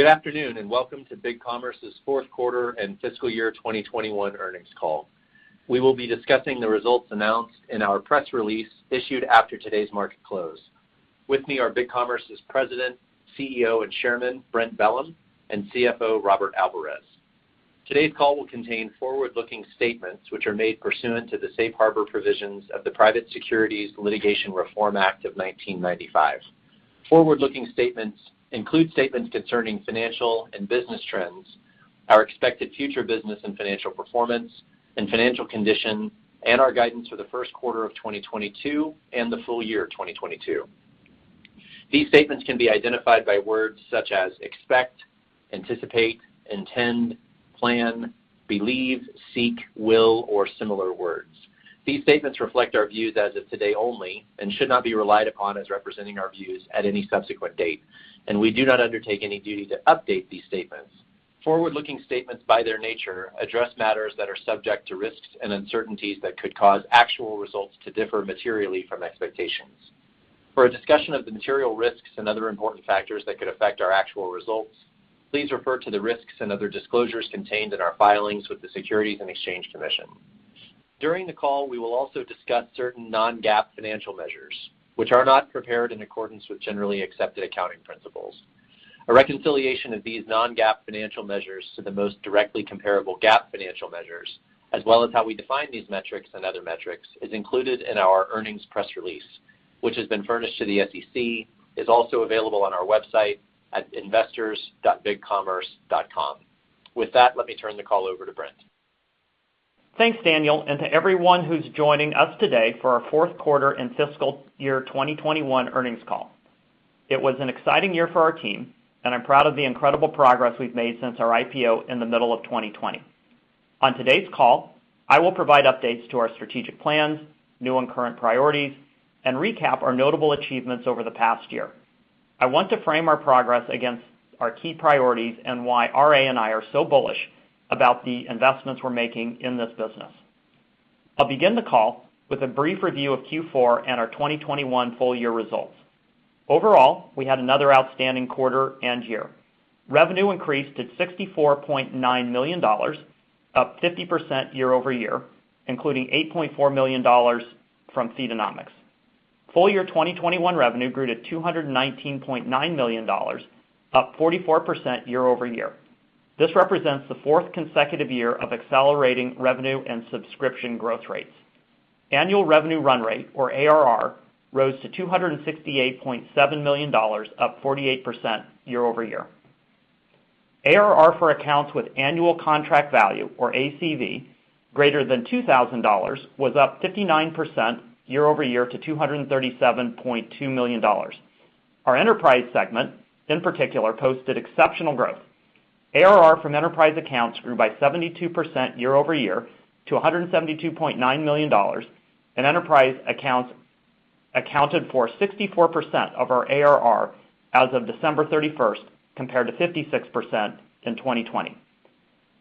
Good afternoon, and welcome to BigCommerce's fourth and fiscal 2021 earnings call. We will be discussing the results announced in our press release issued after today's market close. With me are BigCommerce's President, CEO, and Chairman, Brent Bellm, and CFO, Robert Alvarez. Today's call will contain forward-looking statements which are made pursuant to the safe harbor provisions of the Private Securities Litigation Reform Act of 1995. Forward-looking statements include statements concerning financial and business trends, our expected future business and financial performance and financial condition, and our guidance for the Q1 of 2022 and the full year of 2022. These statements can be identified by words such as expect, anticipate, intend, plan, believe, seek, will, or similar words. These statements reflect our views as of today only and should not be relied upon as representing our views at any subsequent date, and we do not undertake any duty to update these statements. Forward-looking statements, by their nature, address matters that are subject to risks and uncertainties that could cause actual results to differ materially from expectations. For a discussion of the material risks and other important factors that could affect our actual results, please refer to the risks and other disclosures contained in our filings with the Securities and Exchange Commission. During the call, we will also discuss certain non-GAAP financial measures, which are not prepared in accordance with generally accepted accounting principles. A reconciliation of these non-GAAP financial measures to the most directly comparable GAAP financial measures, as well as how we define these metrics and other metrics, is included in our earnings press release, which has been furnished to the SEC and is also available on our website at investors.bigcommerce.com. With that, let me turn the call over to Brent. Thanks, Daniel, and to everyone who's joining us today for our Q4 and fiscal year 2021 earnings call. It was an exciting year for our team, and I'm proud of the incredible progress we've made since our IPO in the middle of 2020. On today's call, I will provide updates to our strategic plans, new and current priorities, and recap our notable achievements over the past year. I want to frame our progress against our key priorities and why RA and I are so bullish about the investments we're making in this business. I'll begin the call with a brief review of Q4 and our 2021 full year results. Overall, we had another outstanding quarter and year. Revenue increased to $64.9 million, up 50% year-over-year, including $8.4 million from Feedonomics. Full year 2021 revenue grew to $219.9 million, up 44% year-over-year. This represents the fourth consecutive year of accelerating revenue and subscription growth rates. Annual revenue run rate, or ARR, rose to $268.7 million, up 48% year-over-year. ARR for accounts with annual contract value, or ACV, greater than $2,000 was up 59% year-over-year to $237.2 million. Our enterprise segment, in particular, posted exceptional growth. ARR from enterprise accounts grew by 72% year-over-year to $172.9 million, and enterprise accounts accounted for 64% of our ARR as of December 31, compared to 56% in 2020.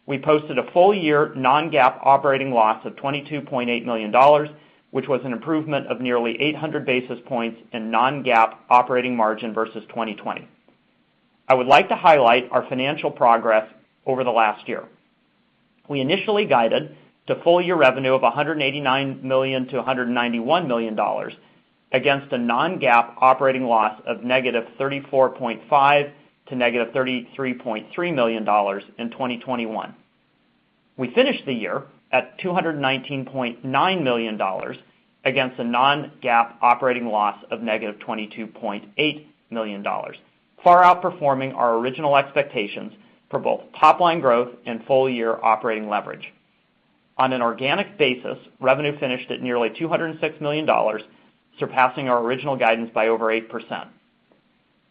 We posted a full year non-GAAP operating loss of $22.8 million, which was an improvement of nearly 800 basis points in non-GAAP operating margin versus 2020. I would like to highlight our financial progress over the last year. We initially guided to full year revenue of $189 million-$191 million against a non-GAAP operating loss of -$34.5 million to -$33.3 million in 2021. We finished the year at $219.9 million against a non-GAAP operating loss of -$22.8 million, far outperforming our original expectations for both top line growth and full year operating leverage. On an organic basis, revenue finished at nearly $206 million, surpassing our original guidance by over 8%.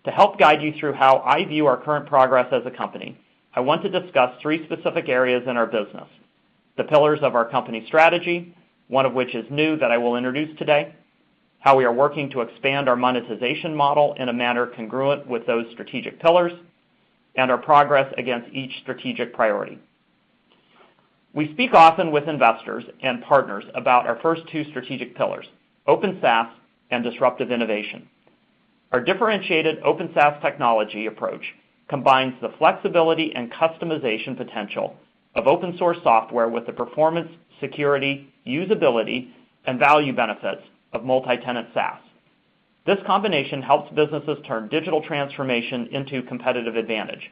To help guide you through how I view our current progress as a company, I want to discuss three specific areas in our business, the pillars of our company strategy, one of which is new that I will introduce today, how we are working to expand our monetization model in a manner congruent with those strategic pillars, and our progress against each strategic priority. We speak often with investors and partners about our first two strategic pillars, Open SaaS and disruptive innovation. Our differentiated Open SaaS technology approach combines the flexibility and customization potential of open source software with the performance, security, usability, and value benefits of multi-tenant SaaS. This combination helps businesses turn digital transformation into competitive advantage.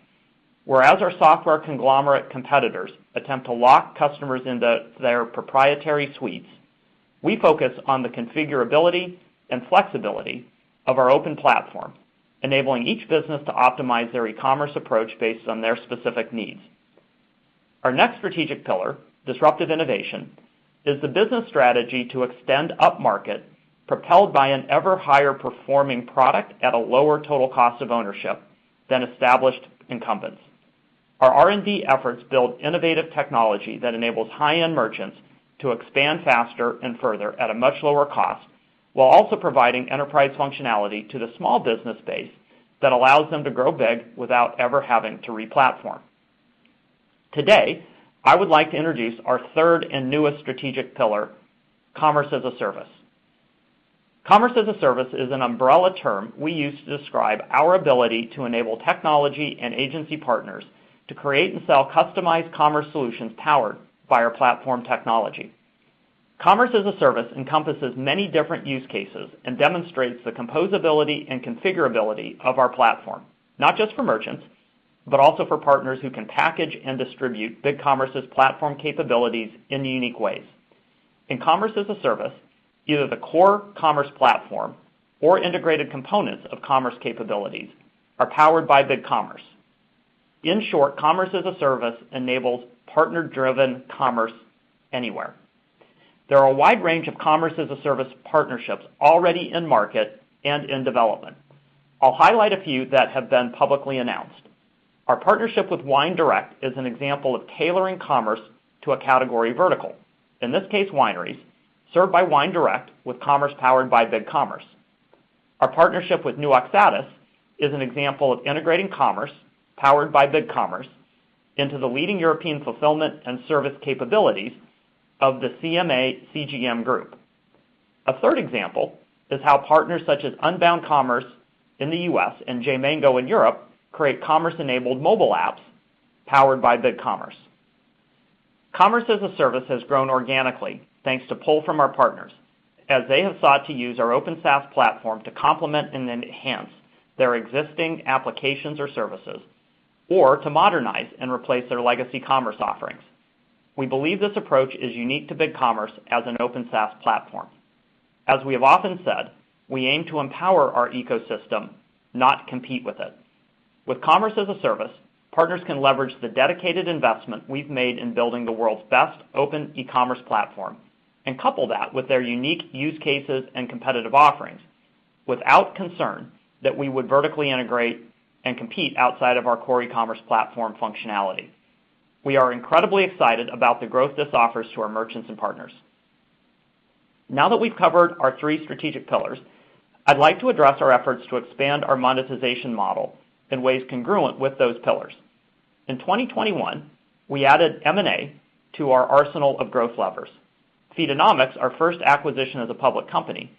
Whereas our software conglomerate competitors attempt to lock customers into their proprietary suites, we focus on the configurability and flexibility of our open platform, enabling each business to optimize their e-commerce approach based on their specific needs. Our next strategic pillar, disruptive innovation, is the business strategy to extend upmarket, propelled by an ever higher performing product at a lower total cost of ownership than established incumbents. Our R&D efforts build innovative technology that enables high-end merchants to expand faster and further at a much lower cost, while also providing enterprise functionality to the small business space that allows them to grow big without ever having to re-platform. Today, I would like to introduce our third and newest strategic pillar, Commerce as a Service. Commerce as a Service is an umbrella term we use to describe our ability to enable technology and agency partners to create and sell customized commerce solutions powered by our platform technology. Commerce as a Service encompasses many different use cases and demonstrates the composability and configurability of our platform, not just for merchants, but also for partners who can package and distribute BigCommerce's platform capabilities in unique ways. In Commerce as a Service, either the core commerce platform or integrated components of commerce capabilities are powered by BigCommerce. In short, Commerce as a Service enables partner-driven commerce anywhere. There are a wide range of Commerce as a Service partnerships already in market and in development. I'll highlight a few that have been publicly announced. Our partnership with WineDirect is an example of tailoring commerce to a category vertical, in this case, wineries, served by WineDirect with commerce powered by BigCommerce. Our partnership with NewOxatis is an example of integrating commerce powered by BigCommerce into the leading European fulfillment and service capabilities of the CMA CGM Group. A third example is how partners such as Unbound Commerce in the U.S. and JMango360 in Europe create commerce-enabled mobile apps powered by BigCommerce. Commerce as a Service has grown organically thanks to pull from our partners, as they have sought to use our open SaaS platform to complement and enhance their existing applications or services, or to modernize and replace their legacy commerce offerings. We believe this approach is unique to BigCommerce as an open SaaS platform. We aim to empower our ecosystem, not compete with it. With Commerce as a Service, partners can leverage the dedicated investment we've made in building the world's best open e-commerce platform and couple that with their unique use cases and competitive offerings without concern that we would vertically integrate and compete outside of our core e-commerce platform functionality. We are incredibly excited about the growth this offers to our merchants and partners. Now that we've covered our three strategic pillars, I'd like to address our efforts to expand our monetization model in ways congruent with those pillars. In 2021, we added M&A to our arsenal of growth levers. Feedonomics, our first acquisition as a public company,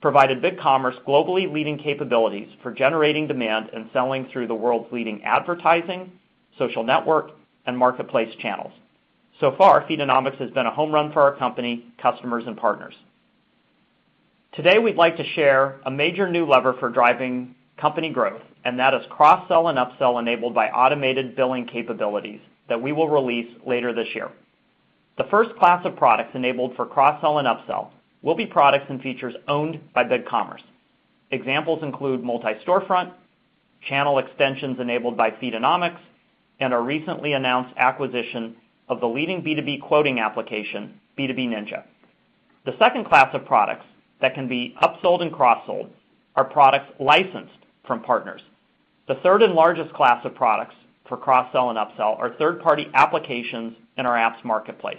provided BigCommerce globally leading capabilities for generating demand and selling through the world's leading advertising, social network, and marketplace channels. So far, Feedonomics has been a home run for our company, customers, and partners. Today, we'd like to share a major new lever for driving company growth, and that is cross-sell and upsell enabled by automated billing capabilities that we will release later this year. The first class of products enabled for cross-sell and upsell will be products and features owned by BigCommerce. Examples include Multi-Storefront, channel extensions enabled by Feedonomics, and our recently announced acquisition of the leading B2B quoting application, B2B Ninja. The second class of products that can be upsold and cross-sold are products licensed from partners. The third and largest class of products for cross-sell and upsell are third-party applications in our apps marketplace.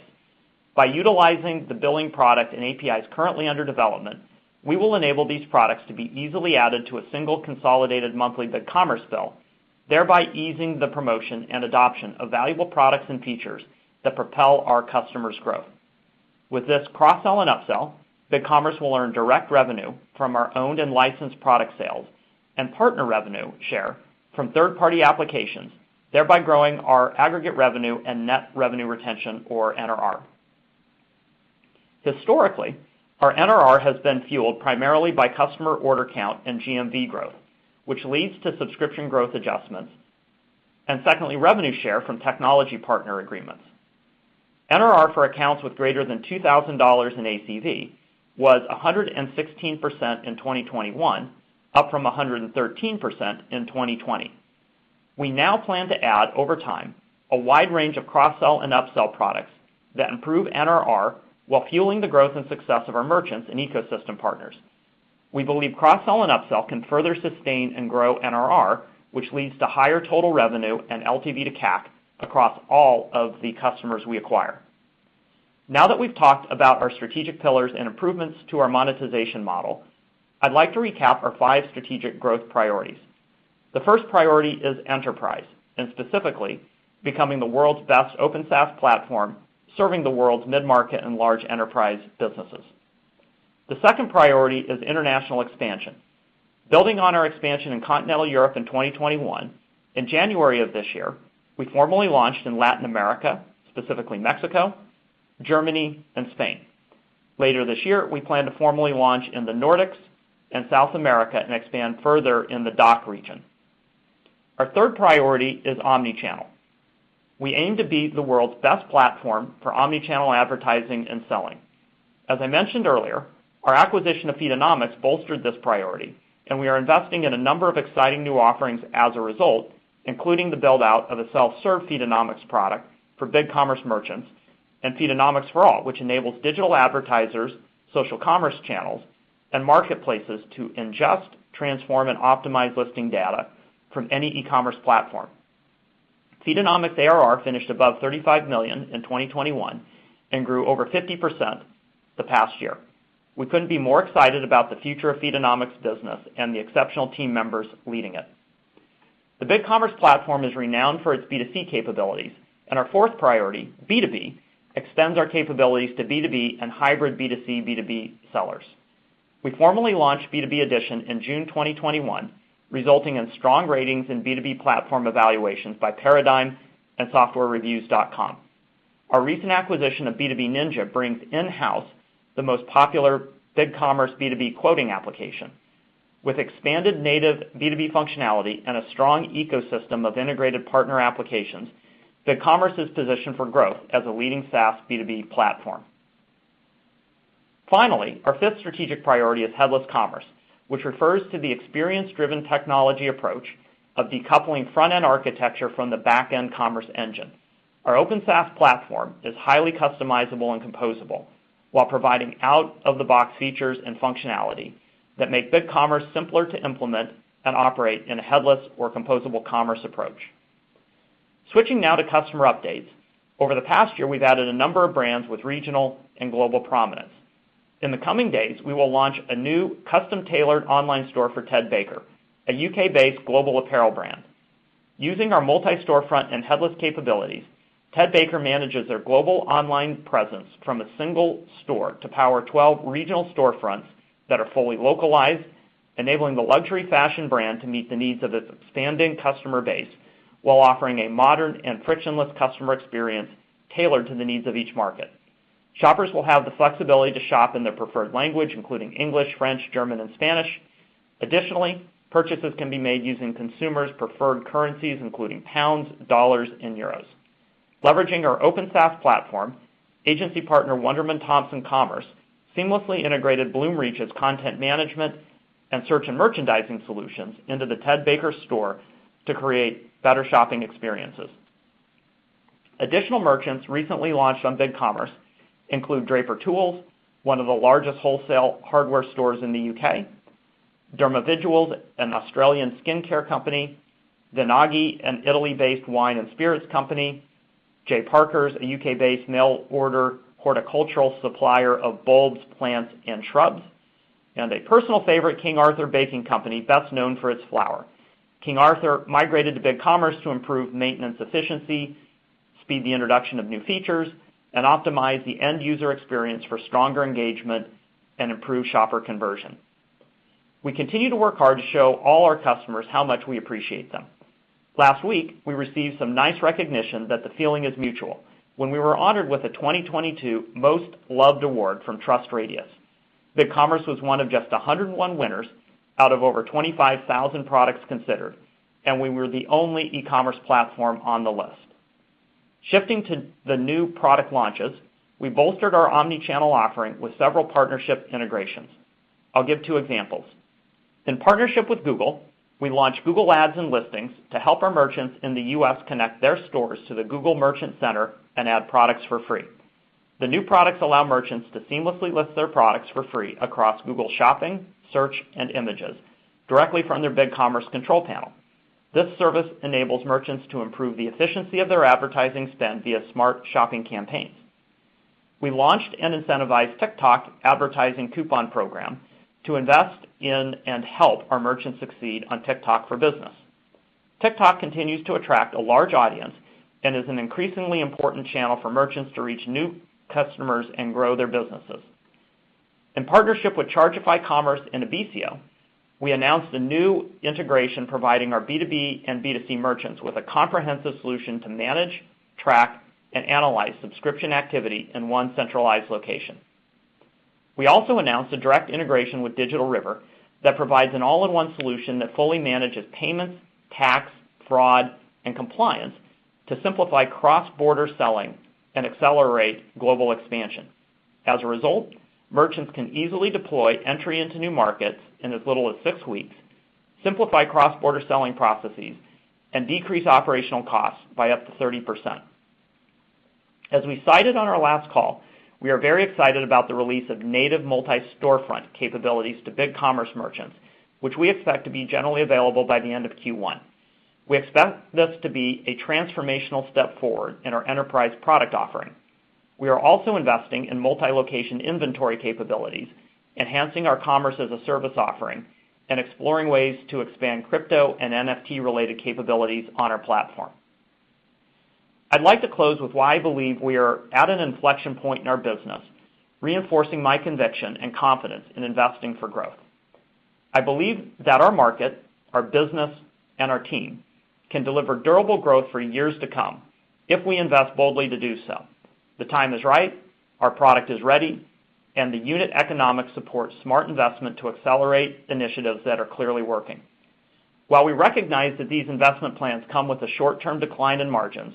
By utilizing the billing product and APIs currently under development, we will enable these products to be easily added to a single consolidated monthly BigCommerce bill, thereby easing the promotion and adoption of valuable products and features that propel our customers' growth. With this cross-sell and upsell, BigCommerce will earn direct revenue from our owned and licensed product sales and partner revenue share from third-party applications, thereby growing our aggregate revenue and net revenue retention, or NRR. Historically, our NRR has been fueled primarily by customer order count and GMV growth, which leads to subscription growth adjustments, and secondly, revenue share from technology partner agreements. NRR for accounts with greater than $2,000 in ACV was 116% in 2021, up from 113% in 2020. We now plan to add, over time, a wide range of cross-sell and upsell products that improve NRR while fueling the growth and success of our merchants and ecosystem partners. We believe cross-sell and upsell can further sustain and grow NRR, which leads to higher total revenue and LTV:CAC across all of the customers we acquire. Now that we've talked about our strategic pillars and improvements to our monetization model, I'd like to recap our 5 strategic growth priorities. The first priority is enterprise, and specifically, becoming the world's best Open SaaS platform, serving the world's mid-market and large enterprise businesses. The second priority is international expansion. Building on our expansion in continental Europe in 2021, in January of this year, we formally launched in Latin America, specifically Mexico, Germany, and Spain. Later this year, we plan to formally launch in the Nordics and South America and expand further in the DACH region. Our third priority is omni-channel. We aim to be the world's best platform for omni-channel advertising and selling. As I mentioned earlier, our acquisition of Feedonomics bolstered this priority, and we are investing in a number of exciting new offerings as a result, including the build-out of a self-serve Feedonomics product for BigCommerce merchants and Feedonomics for All, which enables digital advertisers, social commerce channels, and marketplaces to ingest, transform, and optimize listing data from any e-commerce platform. Feedonomics ARR finished above $35 million in 2021 and grew over 50% the past year. We couldn't be more excited about the future of Feedonomics business and the exceptional team members leading it. The BigCommerce platform is renowned for its B2C capabilities, and our fourth priority, B2B, extends our capabilities to B2B and hybrid B2C, B2B sellers. We formally launched B2B Edition in June 2021, resulting in strong ratings in B2B platform evaluations by Paradigm and softwarereviews.com. Our recent acquisition of B2B Ninja brings in-house the most popular BigCommerce B2B quoting application. With expanded native B2B functionality and a strong ecosystem of integrated partner applications, BigCommerce is positioned for growth as a leading SaaS B2B platform. Finally, our fifth strategic priority is headless commerce, which refers to the experience-driven technology approach of decoupling front-end architecture from the back-end commerce engine. Our open SaaS platform is highly customizable and composable while providing out-of-the-box features and functionality that make BigCommerce simpler to implement and operate in a headless or composable commerce approach. Switching now to customer updates. Over the past year, we've added a number of brands with regional and global prominence. In the coming days, we will launch a new custom-tailored online store for Ted Baker, a U.K.-based global apparel brand. Using our Multi-Storefront and headless capabilities, Ted Baker manages their global online presence from a single store to power 12 regional storefronts that are fully localized, enabling the luxury fashion brand to meet the needs of its expanding customer base while offering a modern and frictionless customer experience tailored to the needs of each market. Shoppers will have the flexibility to shop in their preferred language, including English, French, German, and Spanish. Additionally, purchases can be made using consumers' preferred currencies, including pounds, dollars, and euros. Leveraging our Open SaaS platform, agency partner Wunderman Thompson Commerce seamlessly integrated 's content management and search and merchandising solutions into the Ted Baker store to create better shopping experiences. Additional merchants recently launched on BigCommerce include Draper Tools, one of the largest wholesale hardware stores in the U.K., Dermaviduals, an Australian skincare company, Venchi, an Italy-based wine and spirits company, J. Parker's, a U.K.-based mail order horticultural supplier of bulbs, plants and shrubs, and a personal favorite, King Arthur Baking Company, best known for its flour. King Arthur migrated to BigCommerce to improve maintenance efficiency, speed the introduction of new features, and optimize the end user experience for stronger engagement and improve shopper conversion. We continue to work hard to show all our customers how much we appreciate them. Last week, we received some nice recognition that the feeling is mutual when we were honored with the 2022 Most Loved Award from TrustRadius. BigCommerce was one of just 101 winners out of over 25,000 products considered, and we were the only e-commerce platform on the list. Shifting to the new product launches, we bolstered our omni-channel offering with several partnership integrations. I'll give two examples. In partnership with Google, we launched Ads and Listings on Google to help our merchants in the U.S. connect their stores to the Google Merchant Center and add products for free. The new products allow merchants to seamlessly list their products for free across Google Shopping, Search, and Images directly from their BigCommerce control panel. This service enables merchants to improve the efficiency of their advertising spend via smart shopping campaigns. We launched and incentivized TikTok Advertising Coupon program to invest in and help our merchants succeed on TikTok for business. TikTok continues to attract a large audience and is an increasingly important channel for merchants to reach new customers and grow their businesses. In partnership with Chargify and Ebizio, we announced a new integration providing our B2B and B2C merchants with a comprehensive solution to manage, track, and analyze subscription activity in one centralized location. We also announced a direct integration with Digital River that provides an all-in-one solution that fully manages payments, tax, fraud, and compliance to simplify cross-border selling and accelerate global expansion. As a result, merchants can easily deploy entry into new markets in as little as six weeks, simplify cross-border selling processes, and decrease operational costs by up to 30%. As we cited on our last call, we are very excited about the release of native Multi-Storefront capabilities to BigCommerce merchants, which we expect to be generally available by the end of Q1. We expect this to be a transformational step forward in our enterprise product offering. We are also investing in multi-location inventory capabilities, enhancing our Commerce as a Service offering, and exploring ways to expand crypto and NFT-related capabilities on our platform. I'd like to close with why I believe we are at an inflection point in our business, reinforcing my conviction and confidence in investing for growth. I believe that our market, our business, and our team can deliver durable growth for years to come if we invest boldly to do so. The time is right, our product is ready, and the unit economics supports smart investment to accelerate initiatives that are clearly working. While we recognize that these investment plans come with a short-term decline in margins,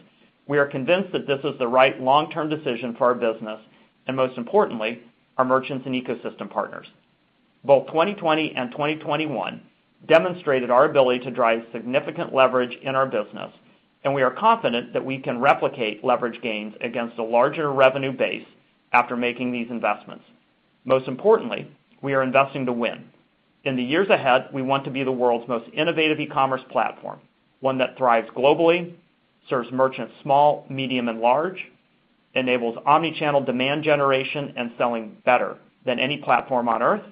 we are convinced that this is the right long-term decision for our business and most importantly, our merchants and ecosystem partners. Both 2020 and 2021 demonstrated our ability to drive significant leverage in our business, and we are confident that we can replicate leverage gains against a larger revenue base after making these investments. Most importantly, we are investing to win. In the years ahead, we want to be the world's most innovative e-commerce platform, one that thrives globally, serves merchants small, medium, and large, enables omni-channel demand generation and selling better than any platform on Earth,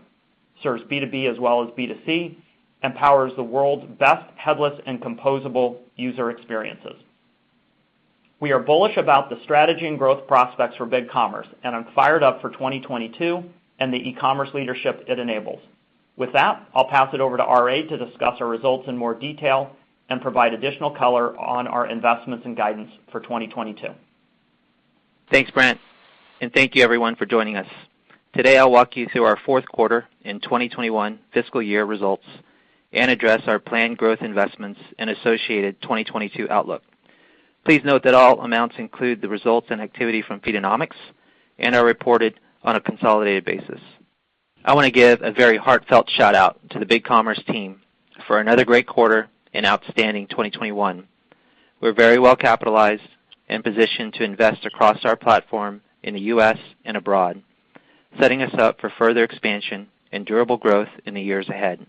serves B2B as well as B2C, and powers the world's best headless and composable user experiences. We are bullish about the strategy and growth prospects for BigCommerce, and I'm fired up for 2022 and the e-commerce leadership it enables. With that, I'll pass it over to RA to discuss our results in more detail and provide additional color on our investments and guidance for 2022. Thanks, Brent, and thank you everyone for joining us. Today, I'll walk you through our Q4 in 2021 fiscal year results and address our planned growth investments and associated 2022 outlook. Please note that all amounts include the results and activity from Feedonomics and are reported on a consolidated basis. I want to give a very heartfelt shout out to the BigCommerce team for another great quarter and outstanding 2021. We're very well capitalized and positioned to invest across our platform in the U.S. and abroad, setting us up for further expansion and durable growth in the years ahead.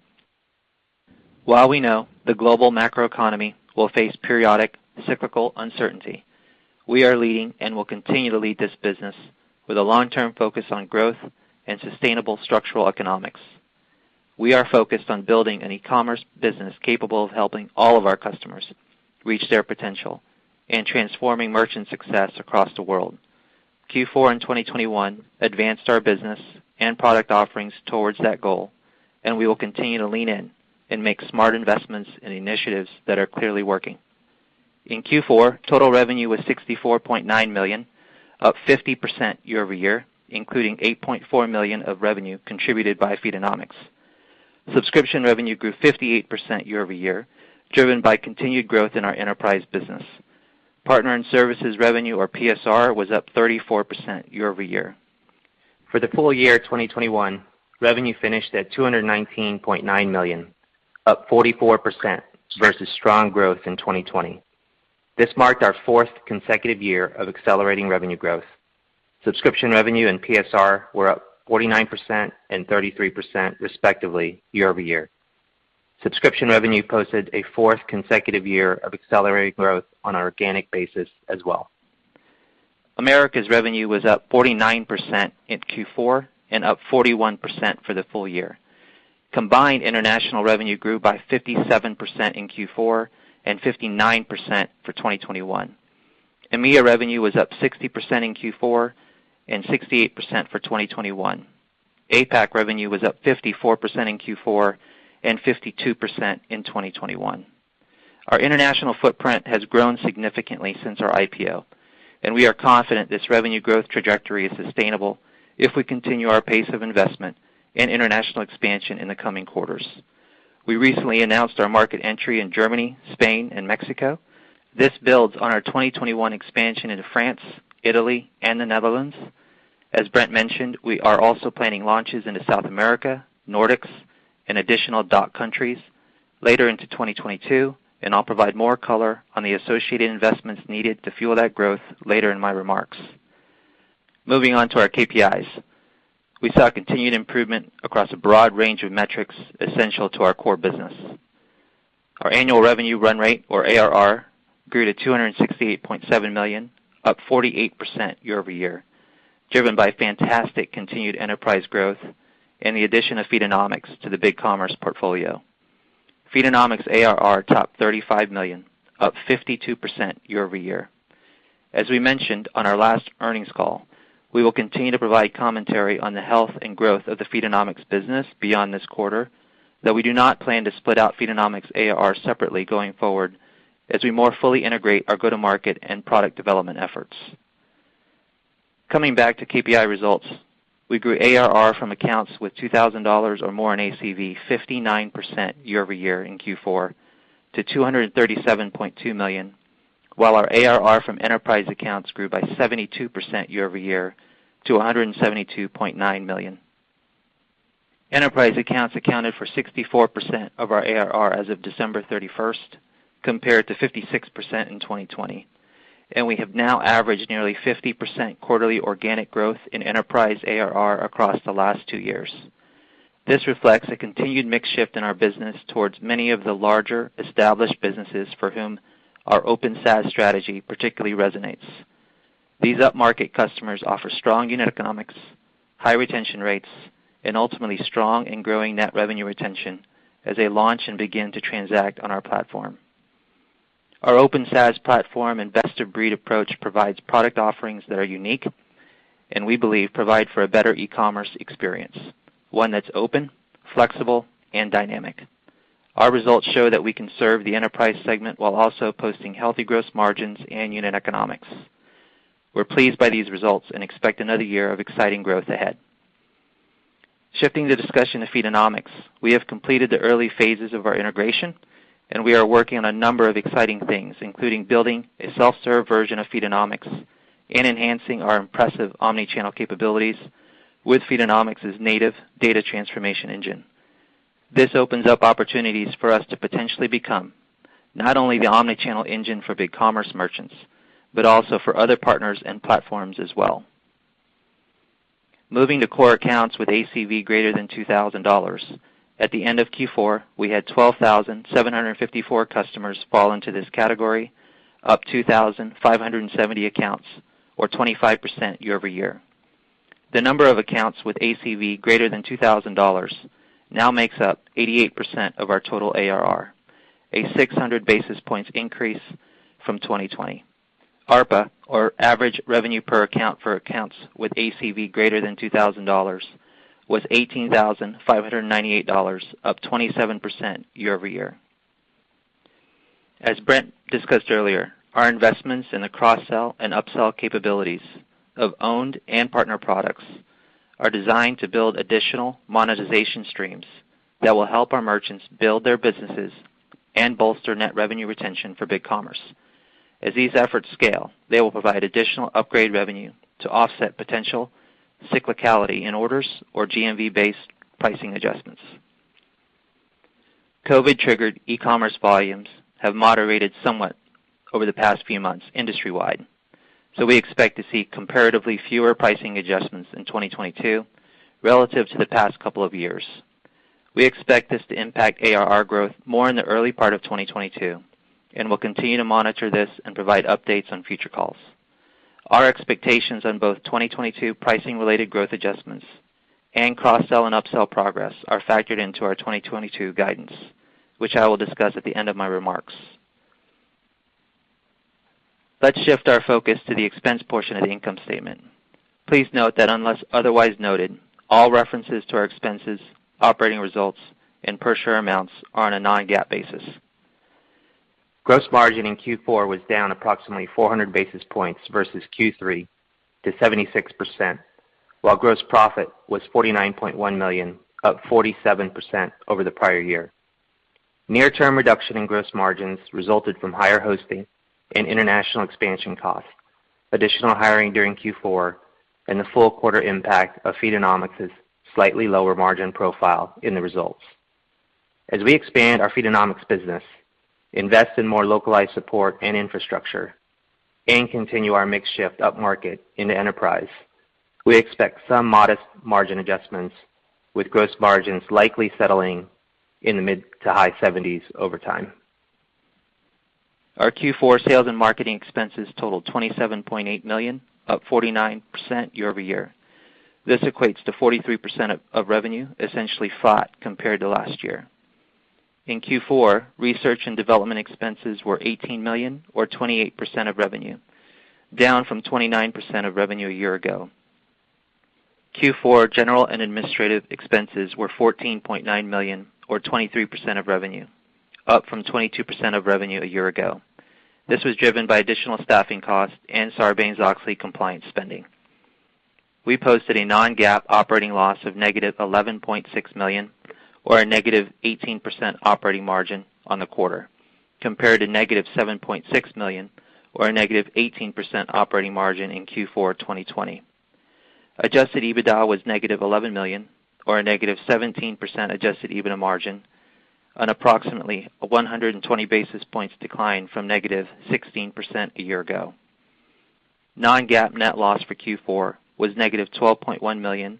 While we know the global macro economy will face periodic cyclical uncertainty, we are leading and will continue to lead this business with a long-term focus on growth and sustainable structural economics. We are focused on building an e-commerce business capable of helping all of our customers reach their potential and transforming merchant success across the world. Q4 in 2021 advanced our business and product offerings towards that goal, and we will continue to lean in and make smart investments in initiatives that are clearly working. In Q4, total revenue was $64.9 million, up 50% year-over-year, including $8.4 million of revenue contributed by Feedonomics. Subscription revenue grew 58% year-over-year, driven by continued growth in our enterprise business. Partner and services revenue, or PSR, was up 34% year-over-year. For the full year 2021, revenue finished at $219.9 million, up 44% versus strong growth in 2020. This marked our fourth consecutive year of accelerating revenue growth. Subscription revenue and PSR were up 49% and 33%, respectively, year-over-year. Subscription revenue posted a fourth consecutive year of accelerated growth on an organic basis as well. Americas revenue was up 49% in Q4 and up 41% for the full year. Combined, international revenue grew by 57% in Q4 and 59% for 2021. EMEA revenue was up 60% in Q4 and 68% for 2021. APAC revenue was up 54% in Q4 and 52% in 2021. Our international footprint has grown significantly since our IPO, and we are confident this revenue growth trajectory is sustainable if we continue our pace of investment in international expansion in the coming quarters. We recently announced our market entry in Germany, Spain, and Mexico. This builds on our 2021 expansion into France, Italy, and the Netherlands. As Brent mentioned, we are also planning launches into South America, Nordics, and additional DACH countries later in 2022, and I'll provide more color on the associated investments needed to fuel that growth later in my remarks. Moving on to our KPIs. We saw continued improvement across a broad range of metrics essential to our core business. Our annual revenue run rate, or ARR, grew to $268.7 million, up 48% year-over-year, driven by fantastic continued enterprise growth and the addition of Feedonomics to the BigCommerce portfolio. Feedonomics ARR topped $35 million, up 52% year-over-year. As we mentioned on our last earnings call, we will continue to provide commentary on the health and growth of the Feedonomics business beyond this quarter, though we do not plan to split out Feedonomics ARR separately going forward as we more fully integrate our go-to-market and product development efforts. Coming back to KPI results, we grew ARR from accounts with $2,000 or more in ACV 59% year-over-year in Q4 to $237.2 million, while our ARR from enterprise accounts grew by 72% year-over-year to $172.9 million. Enterprise accounts accounted for 64% of our ARR as of December 31, compared to 56% in 2020, and we have now averaged nearly 50% quarterly organic growth in enterprise ARR across the last two years. This reflects a continued mix shift in our business towards many of the larger established businesses for whom our Open SaaS strategy particularly resonates. These upmarket customers offer strong unit economics, high retention rates, and ultimately strong and growing net revenue retention as they launch and begin to transact on our platform. Our Open SaaS platform and best-of-breed approach provides product offerings that are unique and we believe provide for a better e-commerce experience, one that's open, flexible, and dynamic. Our results show that we can serve the enterprise segment while also posting healthy gross margins and unit economics. We're pleased by these results and expect another year of exciting growth ahead. Shifting the discussion to Feedonomics, we have completed the early phases of our integration, and we are working on a number of exciting things, including building a self-serve version of Feedonomics and enhancing our impressive omni-channel capabilities with Feedonomics' native data transformation engine. This opens up opportunities for us to potentially become not only the omni-channel engine for BigCommerce merchants, but also for other partners and platforms as well. Moving to core accounts with ACV greater than $2,000. At the end of Q4, we had 12,754 customers fall into this category, up 2,570 accounts or 25% year over year. The number of accounts with ACV greater than $2,000 now makes up 88% of our total ARR, a 600 basis points increase from 2020. ARPA, or Average Revenue Per Account for accounts with ACV greater than $2,000, was $18,598, up 27% year-over-year. As Brent discussed earlier, our investments in the cross-sell and upsell capabilities of owned and partner products are designed to build additional monetization streams that will help our merchants build their businesses and bolster net revenue retention for BigCommerce. As these efforts scale, they will provide additional upgrade revenue to offset potential cyclicality in orders or GMV-based pricing adjustments. COVID triggered e-commerce volumes have moderated somewhat over the past few months industry-wide, so we expect to see comparatively fewer pricing adjustments in 2022 relative to the past couple of years. We expect this to impact ARR growth more in the early part of 2022, and we'll continue to monitor this and provide updates on future calls. Our expectations on both 2022 pricing related growth adjustments and cross-sell and upsell progress are factored into our 2022 guidance, which I will discuss at the end of my remarks. Let's shift our focus to the expense portion of the income statement. Please note that unless otherwise noted, all references to our expenses, operating results, and per share amounts are on a non-GAAP basis. Gross margin in Q4 was down approximately 400 basis points versus Q3 to 76%, while gross profit was $49.1 million, up 47% over the prior year. Near-term reduction in gross margins resulted from higher hosting and international expansion costs, additional hiring during Q4, and the full quarter impact of Feedonomics' slightly lower margin profile in the results. As we expand our Feedonomics business, invest in more localized support and infrastructure, and continue our mix shift upmarket into enterprise, we expect some modest margin adjustments, with gross margins likely settling in the mid- to high-70s% over time. Our Q4 sales and marketing expenses totaled $27.8 million, up 49% year-over-year. This equates to 43% of revenue, essentially flat compared to last year. In Q4, research and development expenses were $18 million or 28% of revenue, down from 29% of revenue a year ago. Q4 general and administrative expenses were $14.9 million or 23% of revenue, up from 22% of revenue a year ago. This was driven by additional staffing costs and Sarbanes-Oxley compliance spending. We posted a non-GAAP operating loss of negative $11.6 million or a negative 18% operating margin on the quarter, compared to negative $7.6 million or a negative 18% operating margin in Q4 2020. Adjusted EBITDA was negative $11 million or a negative 17% adjusted EBITDA margin on approximately a 120 basis points decline from negative 16% a year ago. Non-GAAP net loss for Q4 was negative $12.1 million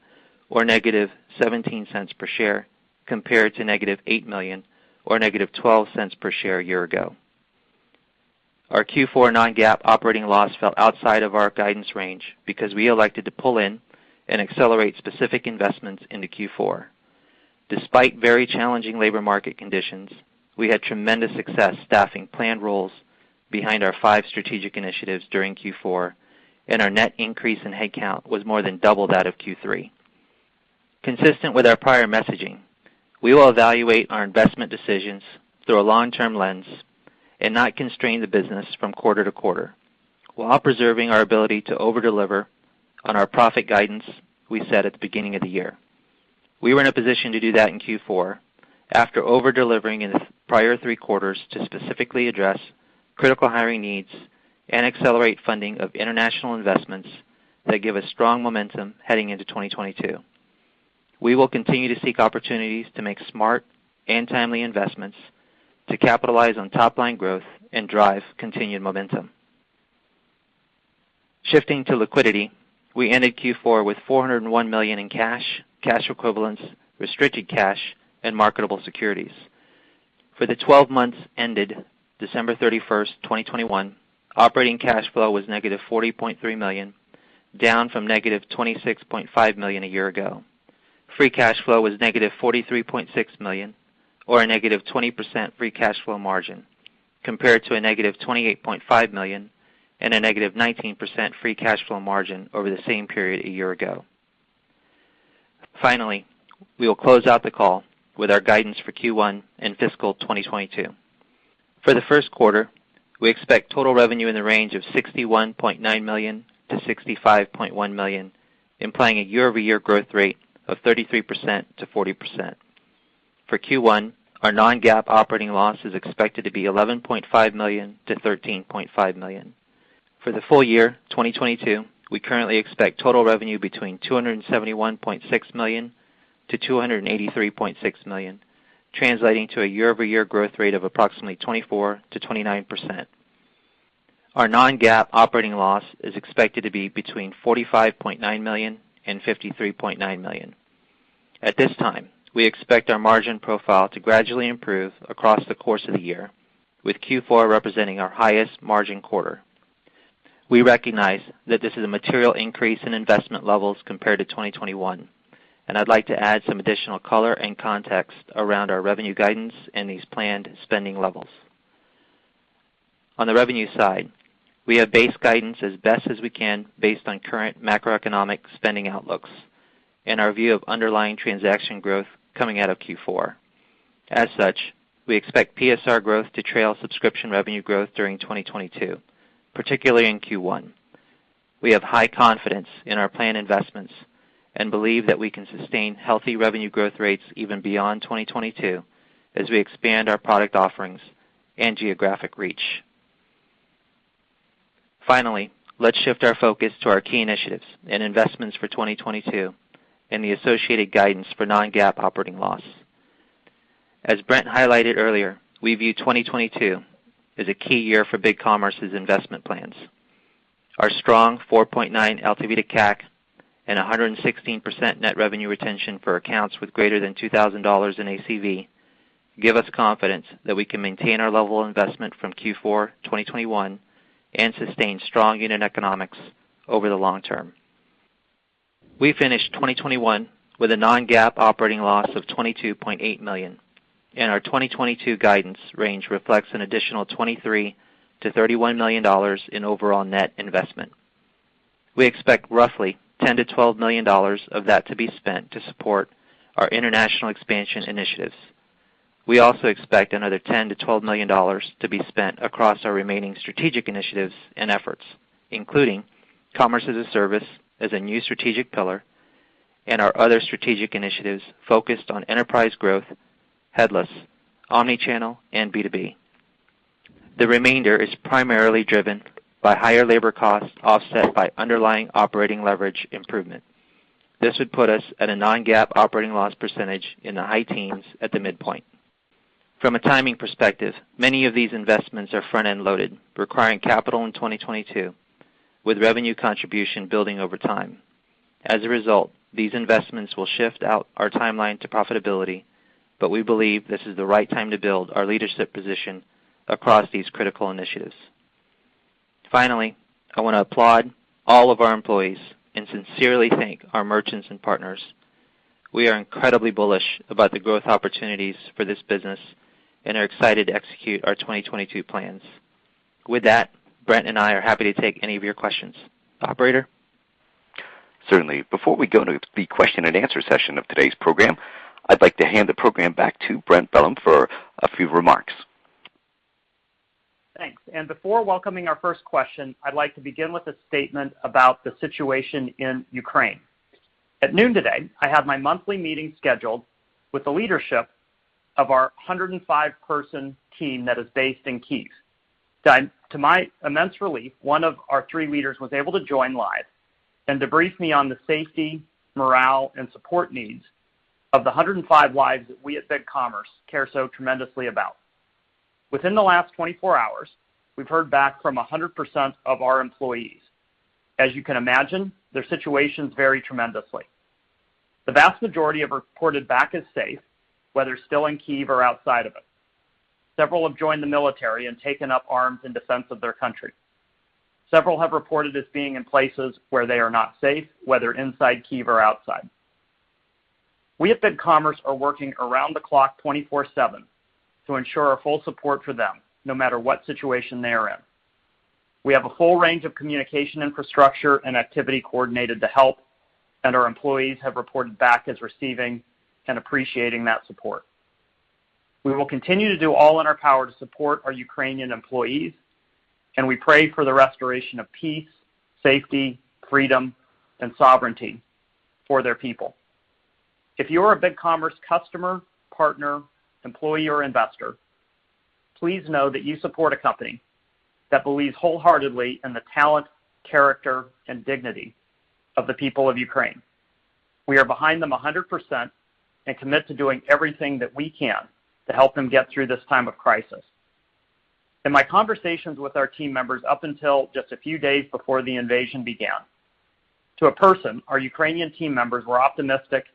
or negative $0.17 per share, compared to negative $8 million or negative $0.12 per share a year ago. Our Q4 non-GAAP operating loss fell outside of our guidance range because we elected to pull in and accelerate specific investments into Q4. Despite very challenging labor market conditions, we had tremendous success staffing planned roles behind our five strategic initiatives during Q4, and our net increase in headcount was more than double that of Q3. Consistent with our prior messaging, we will evaluate our investment decisions through a long-term lens and not constrain the business from quarter-to-quarter, while preserving our ability to over-deliver on our profit guidance we set at the beginning of the year. We were in a position to do that in Q4 after over-delivering in the prior three quarters to specifically address critical hiring needs and accelerate funding of international investments that give us strong momentum heading into 2022. We will continue to seek opportunities to make smart and timely investments to capitalize on top line growth and drive continued momentum. Shifting to liquidity, we ended Q4 with $401 million in cash equivalents, restricted cash, and marketable securities. For the twelve months ended December 31, 2021, operating cash flow was -$40.3 million, down from -$26.5 million a year ago. Free cash flow was -$43.6 million or a -20% free cash flow margin, compared to a -$28.5 million and a -19% free cash flow margin over the same period a year ago. Finally, we will close out the call with our guidance for Q1 and fiscal 2022. For the Q1, we expect total revenue in the range of $61.9 million-$65.1 million, implying a year-over-year growth rate of 33%-40%. For Q1, our non-GAAP operating loss is expected to be $11.5 million-$13.5 million. For the full year, 2022, we currently expect total revenue between $271.6 million-$283.6 million, translating to a year-over-year growth rate of approximately 24%-29%. Our non-GAAP operating loss is expected to be between $45.9 million and $53.9 million. At this time, we expect our margin profile to gradually improve across the course of the year, with Q4 representing our highest margin quarter. We recognize that this is a material increase in investment levels compared to 2021, and I'd like to add some additional color and context around our revenue guidance and these planned spending levels. On the revenue side, we have based our guidance as best as we can based on current macroeconomic spending outlooks and our view of underlying transaction growth coming out of Q4. As such, we expect PSR growth to trail subscription revenue growth during 2022, particularly in Q1. We have high confidence in our planned investments and believe that we can sustain healthy revenue growth rates even beyond 2022 as we expand our product offerings and geographic reach. Finally, let's shift our focus to our key initiatives and investments for 2022 and the associated guidance for non-GAAP operating loss. As Brent highlighted earlier, we view 2022 as a key year for BigCommerce's investment plans. Our strong 4.9 LTV to CAC and 116% net revenue retention for accounts with greater than $2,000 in ACV give us confidence that we can maintain our level of investment from Q4 2021 and sustain strong unit economics over the long term. We finished 2021 with a non-GAAP operating loss of $22.8 million, and our 2022 guidance range reflects an additional $23 million-$31 million in overall net investment. We expect roughly $10 million-$12 million of that to be spent to support our international expansion initiatives. We also expect another $10 million-$12 million to be spent across our remaining strategic initiatives and efforts, including Commerce as a Service as a new strategic pillar and our other strategic initiatives focused on enterprise growth, headless, omni-channel, and B2B. The remainder is primarily driven by higher labor costs offset by underlying operating leverage improvement. This would put us at a non-GAAP operating loss percentage in the high teens% at the midpoint. From a timing perspective, many of these investments are front-end loaded, requiring capital in 2022, with revenue contribution building over time. As a result, these investments will shift out our timeline to profitability, but we believe this is the right time to build our leadership position across these critical initiatives. Finally, I wanna applaud all of our employees and sincerely thank our merchants and partners. We are incredibly bullish about the growth opportunities for this business and are excited to execute our 2022 plans. With that, Brent and I are happy to take any of your questions. Operator. Certainly. Before we go to the question and answer session of today's program, I'd like to hand the program back to Brent Bellm for a few remarks. Thanks. Before welcoming our first question, I'd like to begin with a statement about the situation in Ukraine. At noon today, I had my monthly meeting scheduled with the leadership of our 105-person team that is based in Kyiv. To my immense relief, one of our three leaders was able to join live and debrief me on the safety, morale, and support needs of the 105 lives that we at BigCommerce care so tremendously about. Within the last 24 hours, we've heard back from 100% of our employees. As you can imagine, their situations vary tremendously. The vast majority have reported back as safe, whether still in Kyiv or outside of it. Several have joined the military and taken up arms in defense of their country. Several have reported as being in places where they are not safe, whether inside Kyiv or outside. We at BigCommerce are working around the clock 24/7 to ensure our full support for them, no matter what situation they are in. We have a full range of communication infrastructure and activity coordinated to help, and our employees have reported back as receiving and appreciating that support. We will continue to do all in our power to support our Ukrainian employees, and we pray for the restoration of peace, safety, freedom, and sovereignty for their people. If you're a BigCommerce customer, partner, employee, or investor, please know that you support a company that believes wholeheartedly in the talent, character, and dignity of the people of Ukraine. We are behind them 100% and commit to doing everything that we can to help them get through this time of crisis. In my conversations with our team members up until just a few days before the invasion began, to a person, our Ukrainian team members were optimistic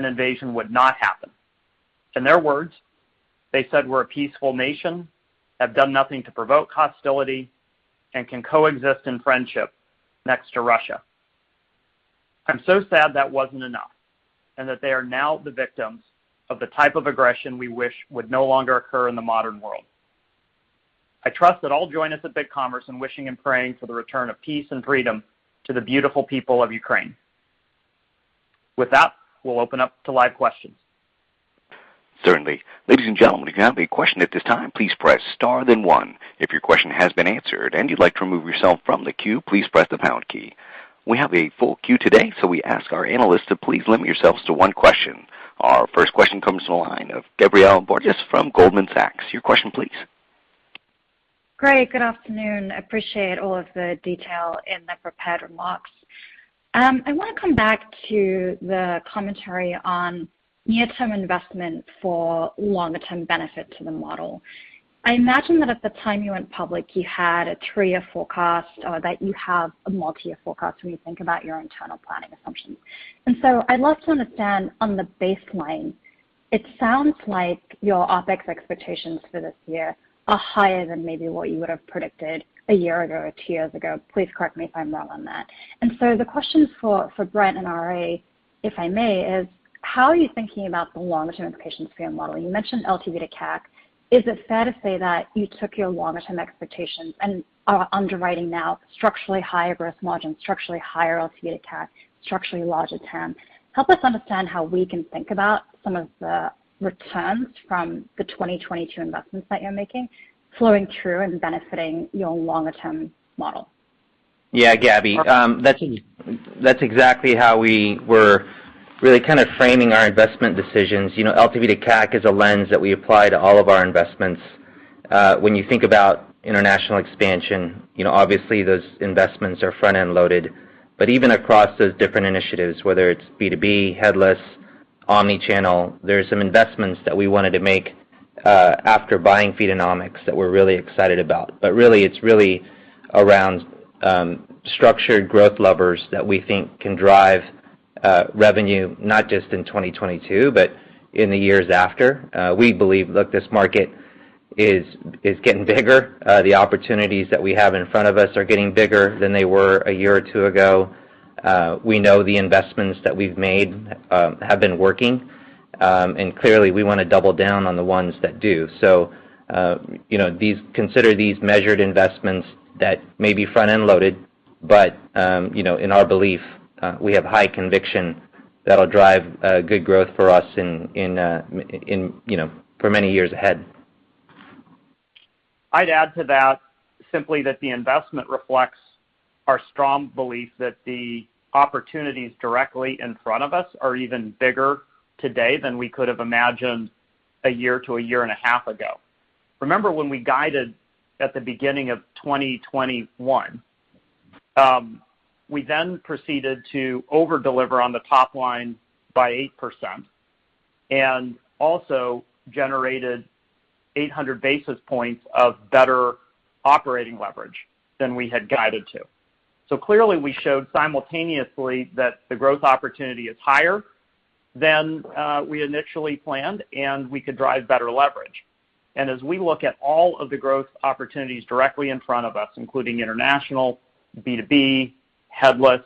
an invasion would not happen. In their words, they said, "We're a peaceful nation, have done nothing to provoke hostility, and can coexist in friendship next to Russia." I'm so sad that wasn't enough and that they are now the victims of the type of aggression we wish would no longer occur in the modern world. I trust that all join us at BigCommerce in wishing and praying for the return of peace and freedom to the beautiful people of Ukraine. With that, we'll open up to live questions. Certainly. Ladies and gentlemen, if you have a question at this time, please press star then one. If your question has been answered and you'd like to remove yourself from the queue, please press the pound key. We have a full queue today, so we ask our analysts to please limit yourselves to one question. Our first question comes to the line of Gabriela Borges from Goldman Sachs. Your question, please. Great. Good afternoon. Appreciate all of the detail in the prepared remarks. I wanna come back to the commentary on near-term investment for longer term benefit to the model. I imagine that at the time you went public, you had a three-year forecast or that you have a multi-year forecast when you think about your internal planning assumptions. I'd love to understand on the baseline, it sounds like your OpEx expectations for this year are higher than maybe what you would have predicted a year ago or two years ago. Please correct me if I'm wrong on that. The question for Brent and RA, if I may, is how are you thinking about the longer term expectations for your model? You mentioned LTV to CAC. Is it fair to say that you took your longer term expectations and are underwriting now structurally higher gross margin, structurally higher LTV to CAC, structurally larger TAM? Help us understand how we can think about some of the returns from the 2022 investments that you're making flowing through and benefiting your longer term model. Yeah, Gabby. That's exactly how we were really kind of framing our investment decisions. You know, LTV to CAC is a lens that we apply to all of our investments. When you think about international expansion, obviously those investments are front-end loaded. Even across those different initiatives, whether it's B2B, headless, omni-channel, there's some investments that we wanted to make after buying Feedonomics that we're really excited about. Really, it's really around structured growth levers that we think can drive revenue not just in 2022, but in the years after. We believe, look, this market is getting bigger. The opportunities that we have in front of us are getting bigger than they were a year or two ago. We know the investments that we've made have been working, and clearly, we wanna double down on the ones that do. You know, consider these measured investments that may be front-end loaded, but in our belief, we have high conviction that'll drive good growth for us in for many years ahead. I'd add to that simply that the investment reflects our strong belief that the opportunities directly in front of us are even bigger today than we could have imagined a year to a year and a half ago. Remember when we guided at the beginning of 2021, we then proceeded to over-deliver on the top line by 8% and also generated 800 basis points of better operating leverage than we had guided to. Clearly, we showed simultaneously that the growth opportunity is higher than we initially planned, and we could drive better leverage. As we look at all of the growth opportunities directly in front of us, including international, B2B, headless,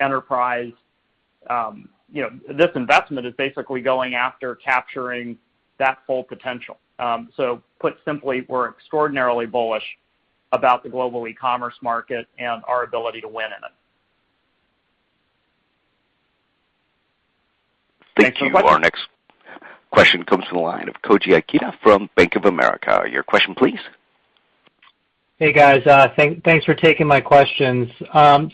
enterprise, this investment is basically going after capturing that full potential. Put simply, we're extraordinarily bullish about the global e-commerce market and our ability to win in it. Thank you. Our next question comes from the line of Koji Ikeda from Bank of America. Your question, please. Hey, guys. Thanks for taking my questions. I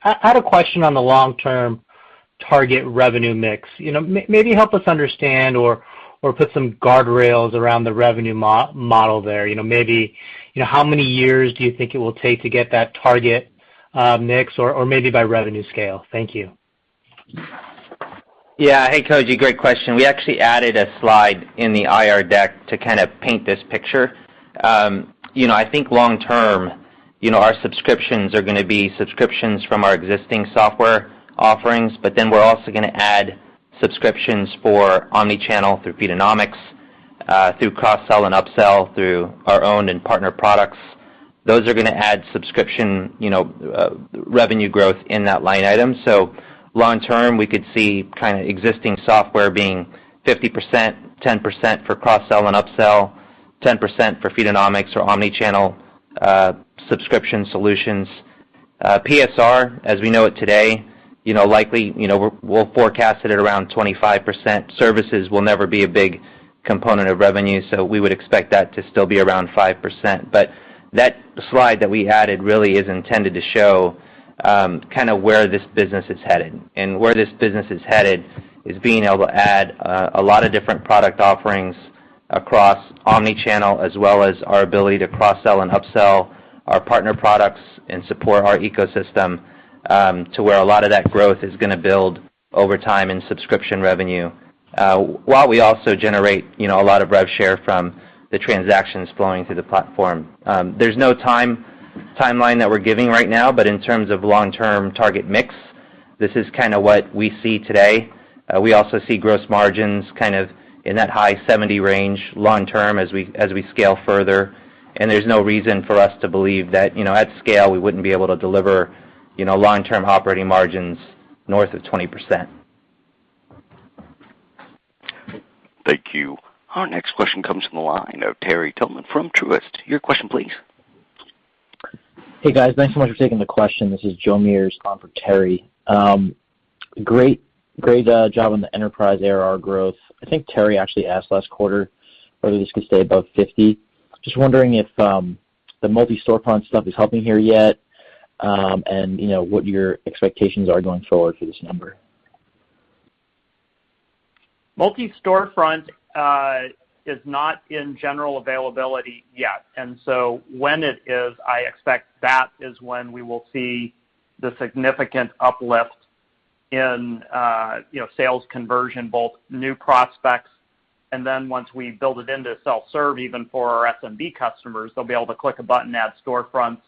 had a question on the long-term target revenue mix. You know, maybe help us understand or put some guardrails around the revenue model there. You know, maybe, how many years do you think it will take to get that target mix or maybe by revenue scale? Thank you. Yeah. Hey, Koji, great question. We actually added a slide in the IR deck to kind of paint this picture. You know, I think long term, our subscriptions are gonna be subscriptions from our existing software offerings, but then we're also gonna add subscriptions for omni-channel through Feedonomics, through cross-sell and up-sell, through our own and partner products. Those are gonna add subscription, revenue growth in that line item. Long term, we could see kinda existing software being 50%, 10% for cross-sell and up-sell, 10% for Feedonomics or omni-channel, subscription solutions. PSR, as we know it today, likely, we'll forecast it at around 25%. Services will never be a big component of revenue, so we would expect that to still be around 5%. That slide that we added really is intended to show where this business is headed. Where this business is headed is being able to add a lot of different product offerings across omni-channel as well as our ability to cross-sell and up-sell our partner products and support our ecosystem, to where a lot of that growth is gonna build over time in subscription revenue, while we also generate, a lot of rev share from the transactions flowing through the platform. There's no timeline that we're giving right now, but in terms of long-term target mix, this is what we see today. We also see gross margins kind of in that high 70% range long-term as we scale further, and there's no reason for us to believe that, at scale, we wouldn't be able to deliver, long-term operating margins north of 20%. Thank you. Our next question comes from the line of Terry Tillman from Truist. Your question please. Hey, guys. Thanks so much for taking the question. This is Joseph Meares on for Terry. Great job on the enterprise ARR growth. I think Terry actually asked last quarter whether this could stay above 50%. Just wondering if the multi-storefront stuff is helping here yet, and, what your expectations are going forward for this number. Multi-Storefront is not in general availability yet. When it is, I expect that is when we will see the significant uplift in, sales conversion, both new prospects. Once we build it into self-serve, even for our SMB customers, they'll be able to click a button, add storefronts,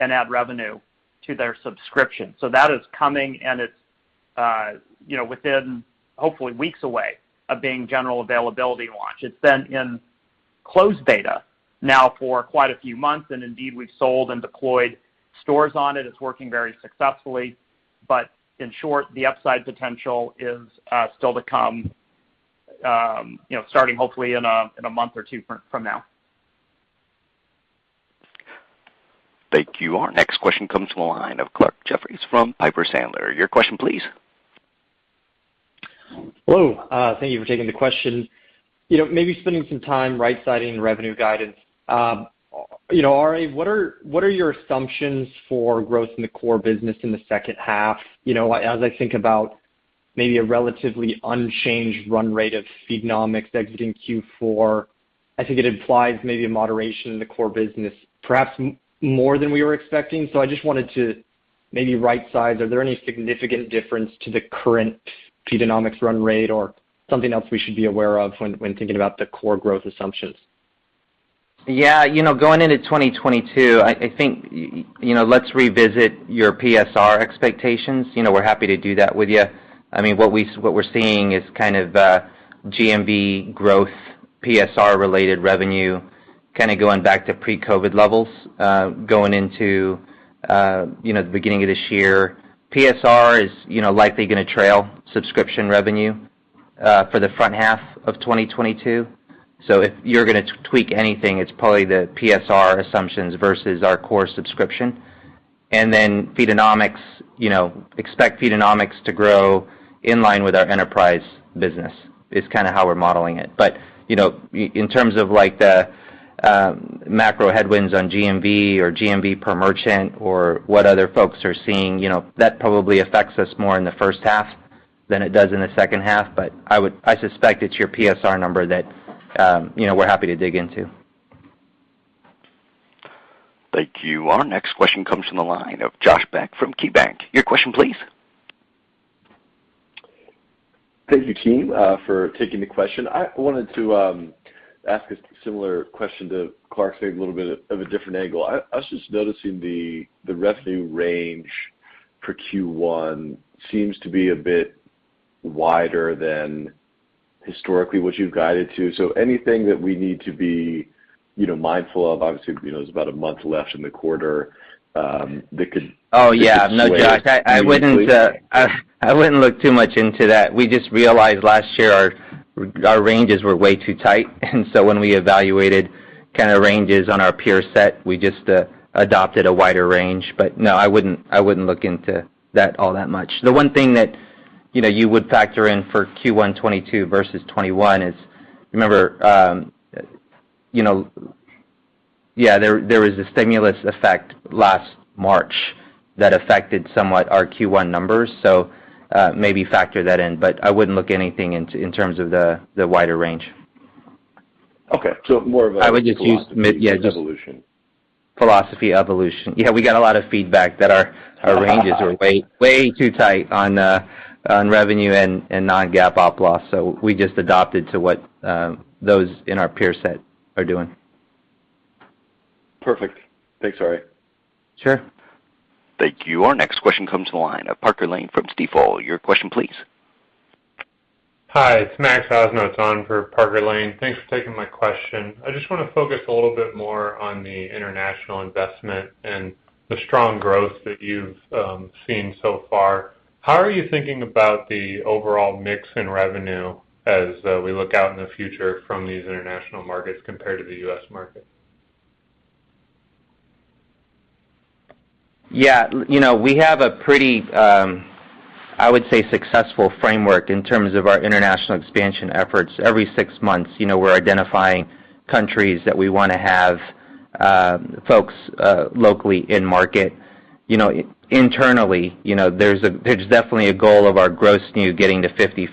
and add revenue to their subscription. That is coming, and it's, within, hopefully, weeks away of being general availability launch. It's been in closed beta now for quite a few months, and indeed, we've sold and deployed stores on it. It's working very successfully. In short, the upside potential is, still to come, starting hopefully in a month or two from now. Thank you. Our next question comes from the line of Clarke Jeffries from Piper Sandler. Your question please. Hello. Thank you for taking the question. You know, maybe spending some time right-sizing revenue guidance. You know, Ari, what are your assumptions for growth in the core business in the second half? You know, as I think about maybe a relatively unchanged run rate of Feedonomics exiting Q4, I think it implies maybe a moderation in the core business, perhaps more than we were expecting. I just wanted to maybe right-size. Are there any significant difference to the current Feedonomics run rate or something else we should be aware of when thinking about the core growth assumptions? Yeah. You know, going into 2022, I think, let's revisit your PSR expectations. You know, we're happy to do that with you. I mean, what we're seeing is kind of, GMV growth, PSR-related revenue kinda going back to pre-COVID levels, going into, the beginning of this year. PSR is, likely gonna trail subscription revenue, for the front half of 2022. If you're gonna tweak anything, it's probably the PSR assumptions versus our core subscription. Feedonomics, expect Feedonomics to grow in line with our enterprise business, is kinda how we're modeling it. You know, in terms of, like, the macro headwinds on GMV or GMV per merchant or what other folks are seeing, that probably affects us more in the first half than it does in the second half. I suspect it's your PSR number that, we're happy to dig into. Thank you. Our next question comes from the line of Josh Beck from KeyBanc. Your question please. Thank you, team, for taking the question. I wanted to ask a similar question to Clarke, say a little bit of a different angle. I was just noticing the revenue range for Q1 seems to be a bit wider than historically what you've guided to. Anything that we need to be, mindful of, obviously, there's about a month left in the quarter, that could- Oh, yeah. that could sway meaningfully? No, Josh, I wouldn't look too much into that. We just realized last year our ranges were way too tight. We evaluated kinda ranges on our peer set; we just adopted a wider range. No, I wouldn't look into that all that much. The one thing that you would factor in for Q1 2022 versus 2021 is, remember, yeah, there was a stimulus effect last March that affected somewhat our Q1 numbers. Maybe factor that in. I wouldn't read anything into the wider range. Okay. More of a I would just use. philosophy evolution. Philosophy evolution. Yeah, we got a lot of feedback that our ranges were way too tight on revenue and non-GAAP op loss. We just adapted to what those in our peer set are doing. Perfect. Thanks, Ari. Sure. Thank you. Our next question comes from the line of Parker Lane from Stifel. Your question please. Hi, it's Max Osnoss on for Parker Lane. Thanks for taking my question. I just wanna focus a little bit more on the international investment and the strong growth that you've seen so far. How are you thinking about the overall mix in revenue as we look out in the future from these international markets compared to the U.S. market? Yeah. You know, we have a pretty, I would say, successful framework in terms of our international expansion efforts. Every six months, we're identifying countries that we wanna have, folks, locally in market. You know, internally, there's definitely a goal of our gross new getting to 50/50,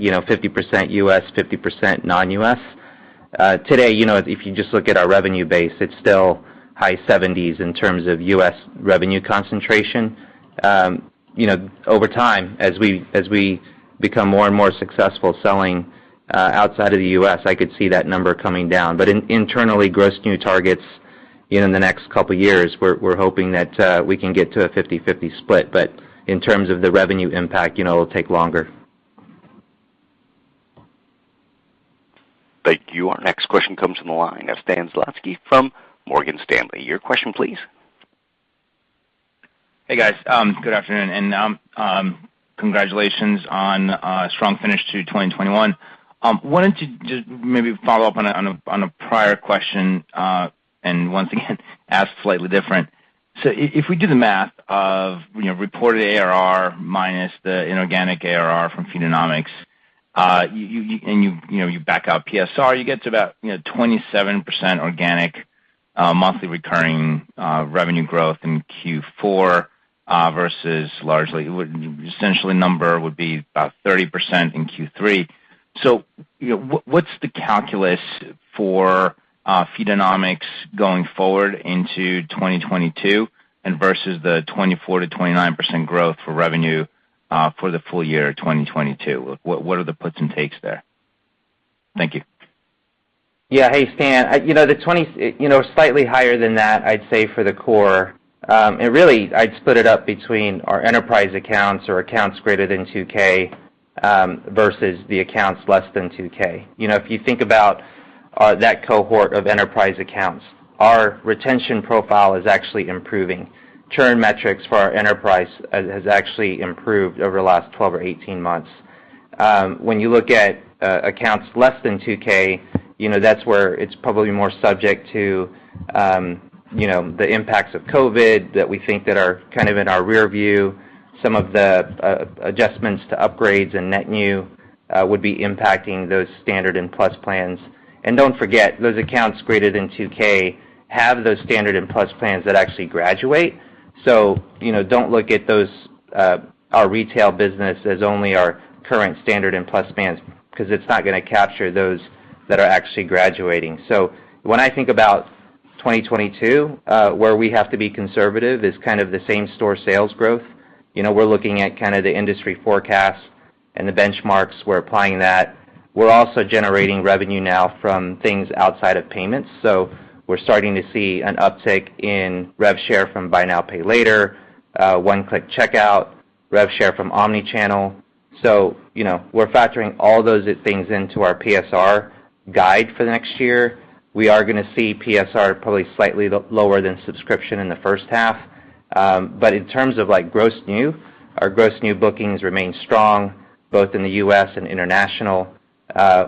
50% U.S., 50% non-U.S. Today, if you just look at our revenue base, it's still high 70s% in terms of U.S. revenue concentration. You know, over time, as we become more and more successful selling, outside of the U.S., I could see that number coming down. Internally, gross new targets in the next couple years, we're hoping that we can get to a 50/50 split. In terms of the revenue impact, it'll take longer. Thank you. Our next question comes from the line of Stan Zlotsky from Morgan Stanley. Your question please. Hey, guys. Good afternoon. Congratulations on a strong finish to 2021. Wanted to just maybe follow up on a prior question, and once again ask slightly different. If we do the math of, reported ARR minus the inorganic ARR from Feedonomics, and you back out PSR, you get to about, 27% organic monthly recurring revenue growth in Q4, versus essentially the number would be about 30% in Q3. What, what's the calculus for, Feedonomics going forward into 2022 and versus the 24%-29% growth for revenue, for the full year of 2022? What, what are the puts and takes there? Thank you. Hey, Stan. You know, the 20 slightly higher than that, I'd say for the core. Really, I'd split it up between our enterprise accounts or accounts greater than 2K versus the accounts less than 2K. You know, if you think about that cohort of enterprise accounts, our retention profile is actually improving. Churn metrics for our enterprise has actually improved over the last 12 or 18 months. When you look at accounts less than 2K, that's where it's probably more subject to the impacts of COVID that we think that are kind of in our rear view. Some of the adjustments to upgrades and net new would be impacting those standard and plus plans. Don't forget, those accounts greater than 2K have those standard and plus plans that actually graduate. You know, don't look at our retail business as only our current standard and plus plans because it's not gonna capture those that are actually graduating. When I think about 2022, where we have to be conservative is kind of the same-store sales growth. You know, we're looking at kind of the industry forecast and the benchmarks, we're applying that. We're also generating revenue now from things outside of payments. We're starting to see an uptick in rev share from buy now, pay later, one-click checkout, rev share from omni-channel. You know, we're factoring all those things into our PSR guide for the next year. We are gonna see PSR probably slightly lower than subscription in the first half. In terms of like gross new, our gross new bookings remain strong both in the U.S. and international,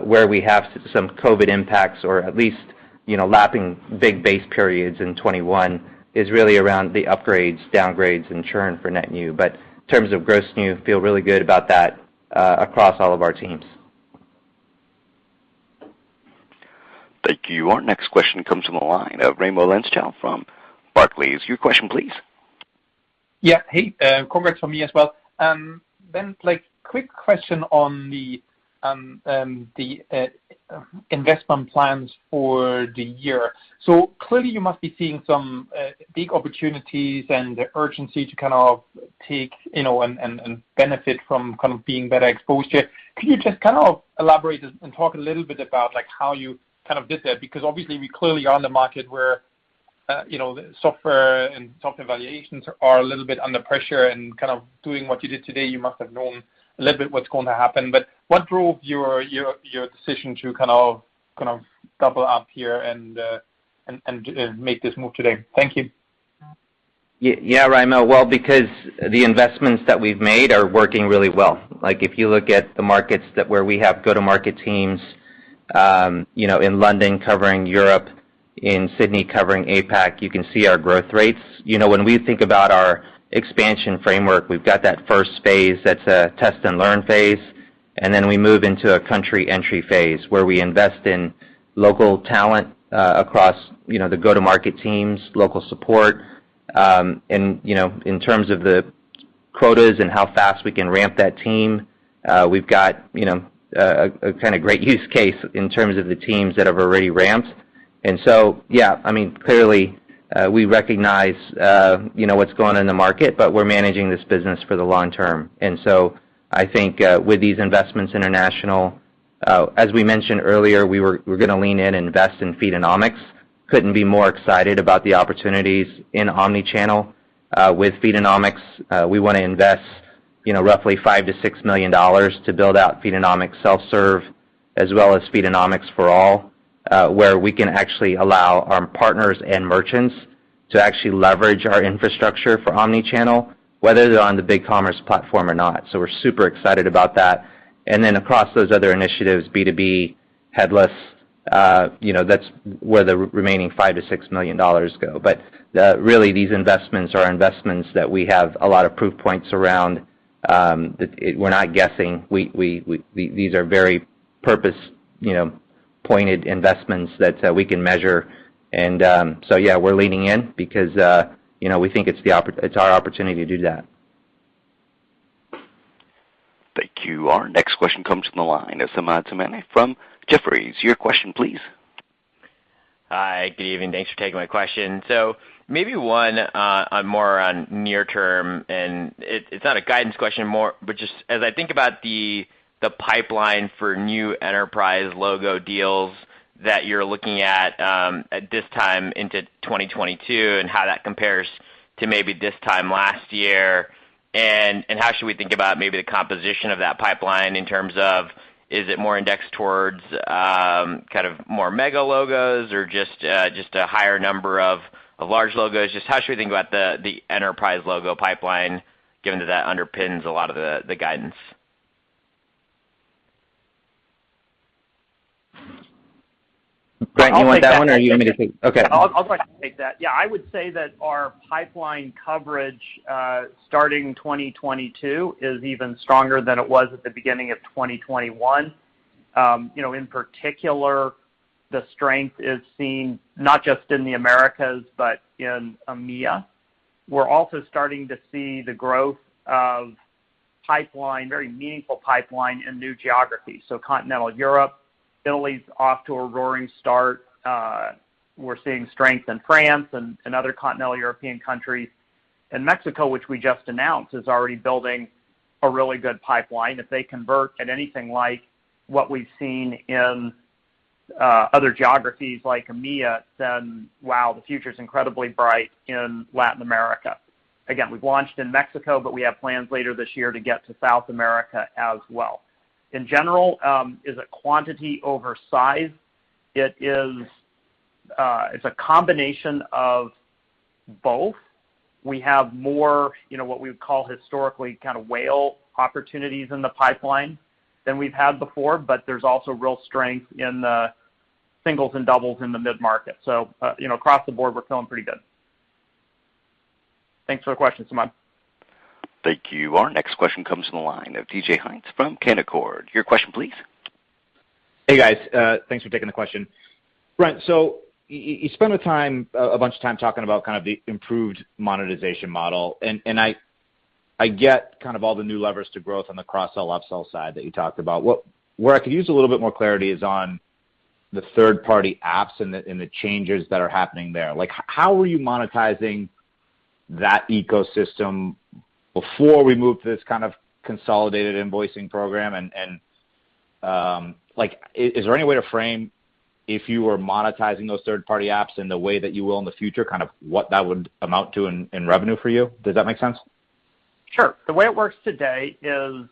where we have some COVID impacts or at least, lapping big base periods in 2021 is really around the upgrades, downgrades, and churn for net new. In terms of gross new, feel really good about that across all of our teams. Thank you. Our next question comes from the line of Raimo Lenschow from Barclays. Your question please. Yeah. Hey, congrats from me as well. Like quick question on the investment plans for the year. Clearly you must be seeing some big opportunities and the urgency to kind of take, and benefit from kind of being better exposed here. Can you just kind of elaborate and talk a little bit about like how you kind of did that? Because obviously we clearly are on the market where, software valuations are a little bit under pressure and kind of doing what you did today, you must have known a little bit what's going to happen. What drove your decision to kind of double up here and make this move today? Thank you. Yeah, Raimo. Well, because the investments that we've made are working really well. Like, if you look at the markets where we have go-to-market teams, in London covering Europe, in Sydney covering APAC, you can see our growth rates. When we think about our expansion framework, we've got that first phase, that's a test and learn phase, and then we move into a country entry phase where we invest in local talent, across the go-to-market teams, local support. In terms of the quotas and how fast we can ramp that team, we've got a kind of great use case in terms of the teams that have already ramped. Yeah, I mean, clearly, we recognize what's going on in the market, but we're managing this business for the long term. I think, with these investments international, as we mentioned earlier, we're gonna lean in and invest in Feedonomics. Couldn't be more excited about the opportunities in omni-channel, with Feedonomics. We wanna invest, roughly $5 million-$6 million to build out Feedonomics self-serve, as well as Feedonomics for all, where we can actually allow our partners and merchants to actually leverage our infrastructure for omni-channel, whether they're on the BigCommerce platform or not. We're super excited about that. Across those other initiatives, B2B, headless, that's where the remaining $5 million-$6 million go. Really these investments are investments that we have a lot of proof points around, that we're not guessing. These are very purpose, pointed investments that we can measure. Yeah, we're leaning in because, we think it's our opportunity to do that. Thank you. Our next question comes from the line of Samad Samana from Jefferies. Your question please. Hi, good evening. Thanks for taking my question. Maybe one more on near term, and it's not a guidance question more, but just as I think about the pipeline for new enterprise logo deals that you're looking at at this time into 2022 and how that compares to maybe this time last year, and how should we think about the composition of that pipeline in terms of is it more indexed towards kind of more mega logos or just a higher number of large logos. Just how should we think about the enterprise logo pipeline given that that underpins a lot of the guidance? Frank, you want that one or you want me to take? Okay. I'll try to take that. Yeah, I would say that our pipeline coverage starting 2022 is even stronger than it was at the beginning of 2021. You know, in particular, the strength is seen not just in the Americas, but in EMEA. We're also starting to see the growth of pipeline, very meaningful pipeline in new geographies. Continental Europe, Italy's off to a roaring start. We're seeing strength in France and other continental European countries. Mexico, which we just announced, is already building a really good pipeline. If they convert at anything like what we've seen in other geographies like EMEA, then wow, the future's incredibly bright in Latin America. Again, we've launched in Mexico, but we have plans later this year to get to South America as well. In general, is it quantity over size? It is, it's a combination of both. We have more, what we would call historically kinda whale opportunities in the pipeline than we've had before, but there's also real strength in the singles and doubles in the mid-market. You know, across the board, we're feeling pretty good. Thanks for the question, Samad. Thank you. Our next question comes from the line of DJ Hynes from Canaccord Genuity. Your question, please. Hey, guys. Thanks for taking the question. Brent, so you spent the time, a bunch of time talking about kind of the improved monetization model, and I get kind of all the new levers to growth on the cross sell, upsell side that you talked about. Where I could use a little bit more clarity is on the third-party apps and the changes that are happening there. Like, how were you monetizing that ecosystem before we moved to this kind of consolidated invoicing program? Like, is there any way to frame if you were monetizing those third-party apps in the way that you will in the future, kind of what that would amount to in revenue for you? Does that make sense? Sure. The way it works today is,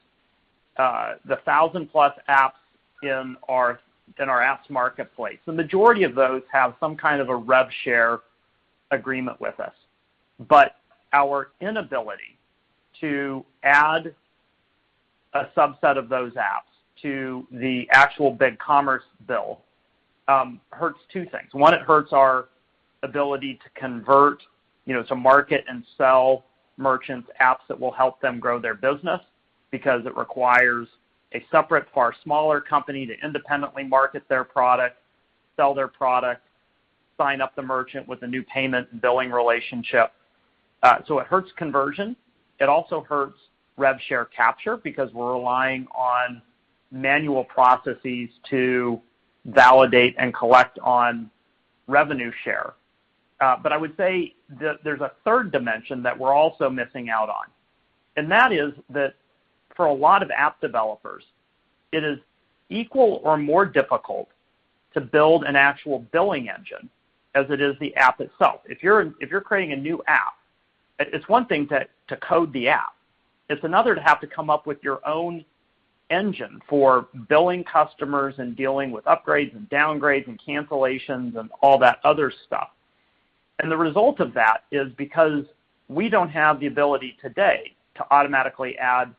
the 1,000-plus apps in our apps marketplace, the majority of those have some kind of a rev share agreement with us. Our inability to add a subset of those apps to the actual BigCommerce bill hurts two things. One, it hurts our ability to convert, to market and sell merchants apps that will help them grow their business because it requires a separate, far smaller company to independently market their product, sell their product, sign up the merchant with a new payment and billing relationship. It hurts conversion. It also hurts rev share capture because we're relying on manual processes to validate and collect on revenue share. I would say there's a third dimension that we're also missing out on, and that is that for a lot of app developers, it is equal or more difficult to build an actual billing engine as it is the app itself. If you're creating a new app, it's one thing to code the app. It's another to have to come up with your own engine for billing customers and dealing with upgrades and downgrades and cancellations and all that other stuff. The result of that is because we don't have the ability today to automatically add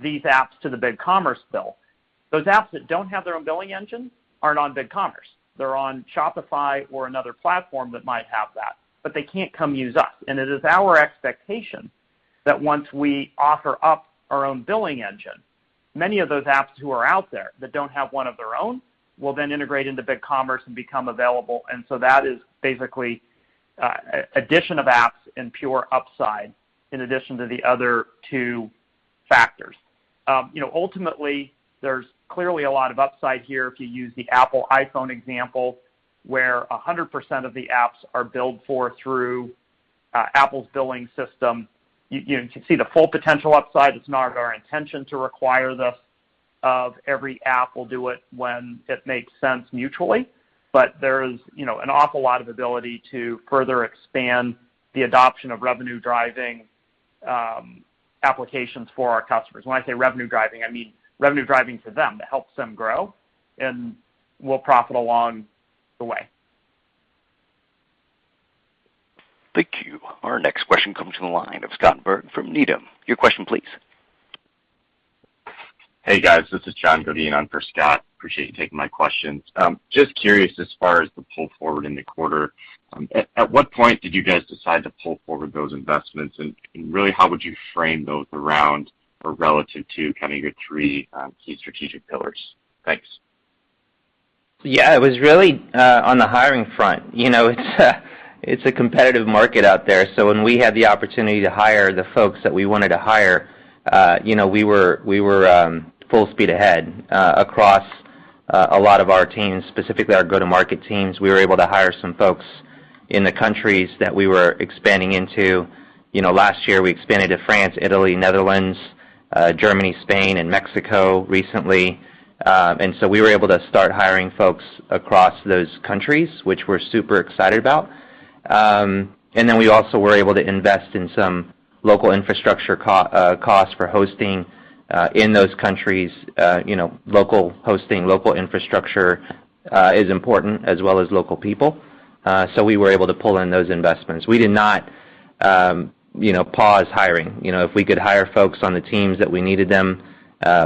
these apps to the BigCommerce bill, those apps that don't have their own billing engine aren't on BigCommerce. They're on Shopify or another platform that might have that, but they can't come use us. It is our expectation that once we offer up our own billing engine, many of those apps who are out there that don't have one of their own will then integrate into BigCommerce and become available. That is basically addition of apps and pure upside in addition to the other two factors. You know, ultimately, there's clearly a lot of upside here, if you use the Apple iPhone example, where 100% of the apps are billed for through Apple's billing system. You can see the full potential upside. It's not our intention to require this of every app. We'll do it when it makes sense mutually. There's an awful lot of ability to further expand the adoption of revenue-driving applications for our customers. When I say revenue-driving, I mean revenue-driving to them, that helps them grow and we'll profit along the way. Thank you. Our next question comes from the line of Scott Berg from Needham. Your question, please. Hey, guys. This is John Godin on for Scott. Appreciate you taking my questions. Just curious, as far as the pull forward in the quarter, at what point did you guys decide to pull forward those investments? And really how would you frame those around or relative to kind of your three key strategic pillars? Thanks. Yeah. It was really on the hiring front. You know, it's a competitive market out there, so when we had the opportunity to hire the folks that we wanted to hire, we were full speed ahead across a lot of our teams, specifically our go-to-market teams. We were able to hire some folks in the countries that we were expanding into. You know, last year, we expanded to France, Italy, Netherlands, Germany, Spain, and Mexico recently. We were able to start hiring folks across those countries, which we're super excited about. We also were able to invest in some local infrastructure costs for hosting in those countries. You know, local hosting, local infrastructure is important as well as local people. We were able to pull in those investments. We did not, pause hiring. You know, if we could hire folks on the teams that we needed them,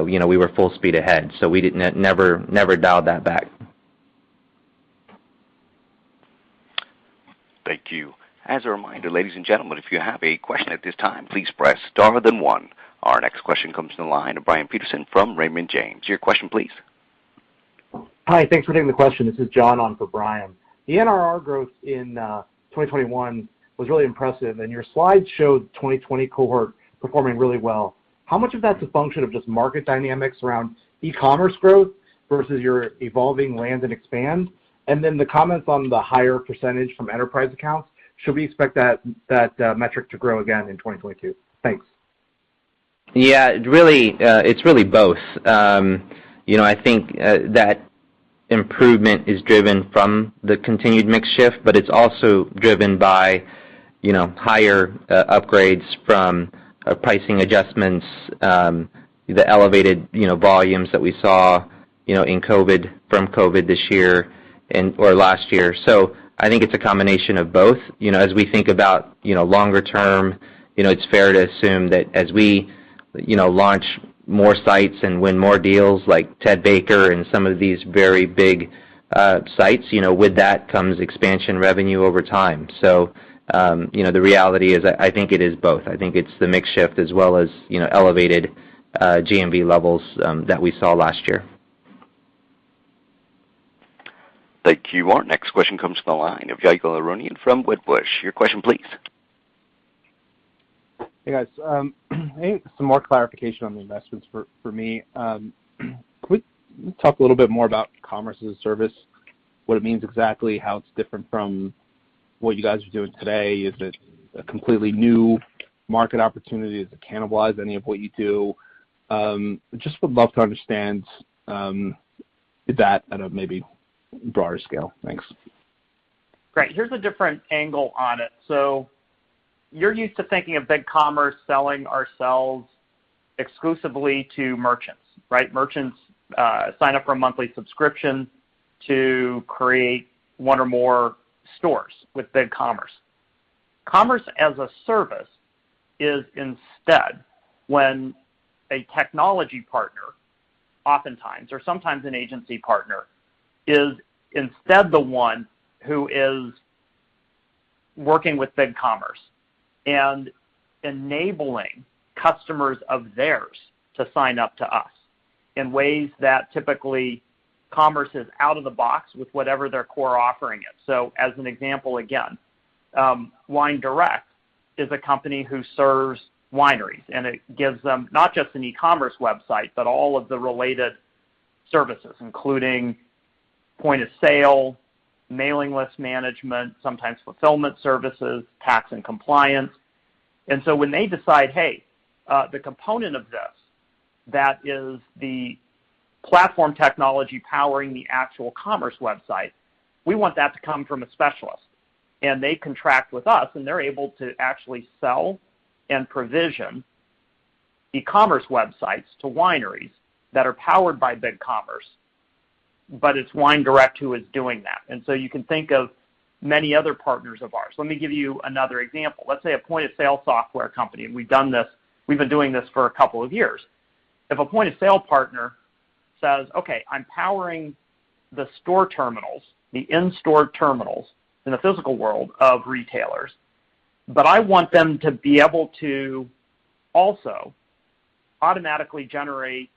we were full speed ahead, we never dialed that back. As a reminder, ladies and gentlemen, if you have a question at this time, please press star then one. Our next question comes from the line of Brian Peterson from Raymond James. Your question please. Hi. Thanks for taking the question. This is John on for Brian. The NRR growth in 2021 was really impressive, and your slides showed 2020 cohort performing really well. How much of that's a function of just market dynamics around e-commerce growth versus your evolving land and expand? And then the comments on the higher percentage from enterprise accounts, should we expect that metric to grow again in 2022? Thanks. Yeah, it really, it's really both. You know, I think that improvement is driven from the continued mix shift, but it's also driven by, higher upgrades from pricing adjustments, the elevated, volumes that we saw, in COVID, from COVID this year and/or last year. I think it's a combination of both. You know, as we think about, longer term, it's fair to assume that as we, launch more sites and win more deals like Ted Baker and some of these very big sites, with that comes expansion revenue over time. You know, the reality is I think it is both. I think it's the mix shift as well as, elevated GMV levels that we saw last year. Thank you. Our next question comes from the line of Jacob Roberge from Wedbush. Your question please. Hey, guys. I need some more clarification on the investments for me. Could we talk a little bit more about commerce as a service, what it means exactly, how it's different from what you guys are doing today? Is it a completely new market opportunity? Does it cannibalize any of what you do? Just would love to understand that at a maybe broader scale. Thanks. Great. Here's a different angle on it. You're used to thinking of BigCommerce selling ourselves exclusively to merchants, right? Merchants sign up for a monthly subscription to create one or more stores with BigCommerce. Commerce as a Service is instead when a technology partner oftentimes or sometimes an agency partner is instead the one who is working with BigCommerce and enabling customers of theirs to sign up to us in ways that typically commerce is out of the box with whatever their core offering is. As an example, again, WineDirect is a company who serves wineries, and it gives them not just an e-commerce website, but all of the related services, including point of sale, mailing list management, sometimes fulfillment services, tax and compliance. When they decide, hey, the component of this that is the platform technology powering the actual commerce website, we want that to come from a specialist. They contract with us, and they're able to actually sell and provision e-commerce websites to wineries that are powered by BigCommerce, but it's WineDirect who is doing that. You can think of many other partners of ours. Let me give you another example. Let's say a point-of-sale software company, and we've done this, we've been doing this for a couple of years. If a point-of-sale partner says, "Okay, I'm powering the store terminals, the in-store terminals in the physical world of retailers, but I want them to be able to also automatically generate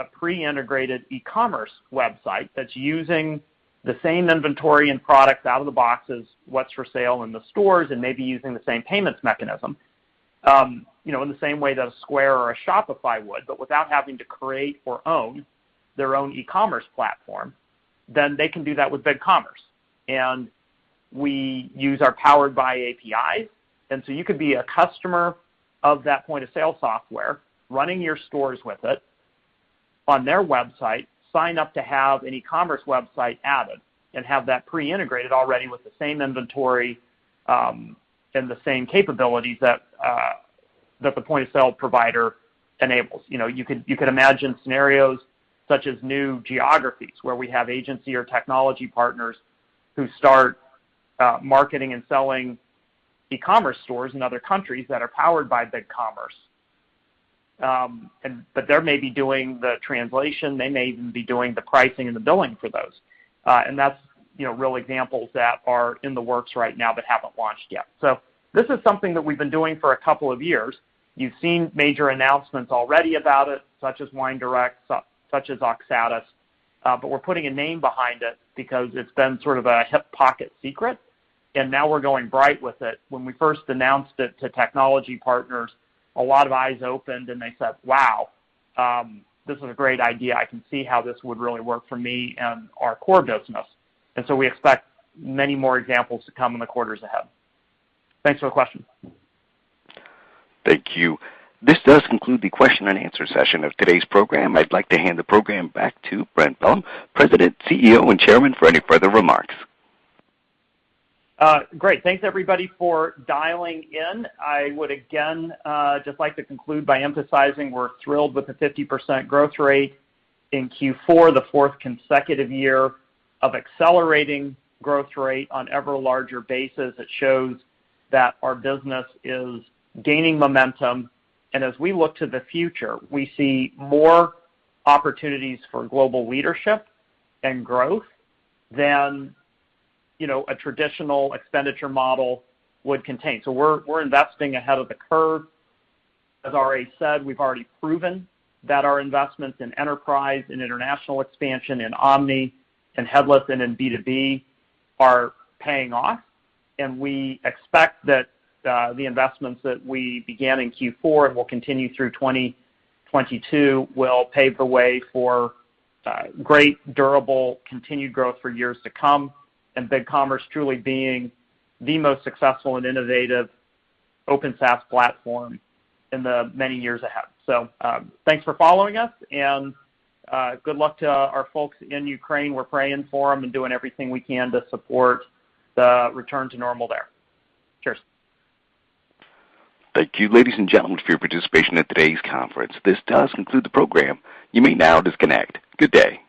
a pre-integrated e-commerce website that's using the same inventory and product out of the box as what's for sale in the stores and maybe using the same payments mechanism, in the same way that a Square or a Shopify would, but without having to create or own their own e-commerce platform," then they can do that with BigCommerce. We use our powered by API. You could be a customer of that point-of-sale software, running your stores with it on their website, sign up to have an e-commerce website added, and have that pre-integrated already with the same inventory, and the same capabilities that that the point-of-sale provider enables. You know, you could imagine scenarios such as new geographies where we have agency or technology partners who start marketing and selling e-commerce stores in other countries that are powered by BigCommerce. They may be doing the translation. They may even be doing the pricing and the billing for those. That's, real examples that are in the works right now but haven't launched yet. This is something that we've been doing for a couple of years. You've seen major announcements already about it, such as WineDirect, such as Oxatis, but we're putting a name behind it because it's been sort of a hip pocket secret, and now we're going bright with it. When we first announced it to technology partners, a lot of eyes opened, and they said, "Wow, this is a great idea. I can see how this would really work for me and our core business." We expect many more examples to come in the quarters ahead. Thanks for the question. Thank you. This does conclude the question and answer session of today's program. I'd like to hand the program back to Brent Bellm, President, CEO, and Chairman, for any further remarks. Great. Thanks everybody for dialing in. I would again just like to conclude by emphasizing we're thrilled with the 50% growth rate in Q4, the fourth consecutive year of accelerating growth rate on ever larger basis. It shows that our business is gaining momentum. As we look to the future, we see more opportunities for global leadership and growth than, a traditional expenditure model would contain. We're investing ahead of the curve. As I already said, we've already proven that our investments in enterprise and international expansion in omni and headless and in B2B are paying off. We expect that the investments that we began in Q4 and will continue through 2022 will pave the way for great, durable, continued growth for years to come, and BigCommerce truly being the most successful and innovative Open SaaS platform in the many years ahead. Thanks for following us, and good luck to our folks in Ukraine. We're praying for them and doing everything we can to support the return to normal there. Cheers. Thank you, ladies and gentlemen, for your participation in today's conference. This does conclude the program. You may now disconnect. Good day.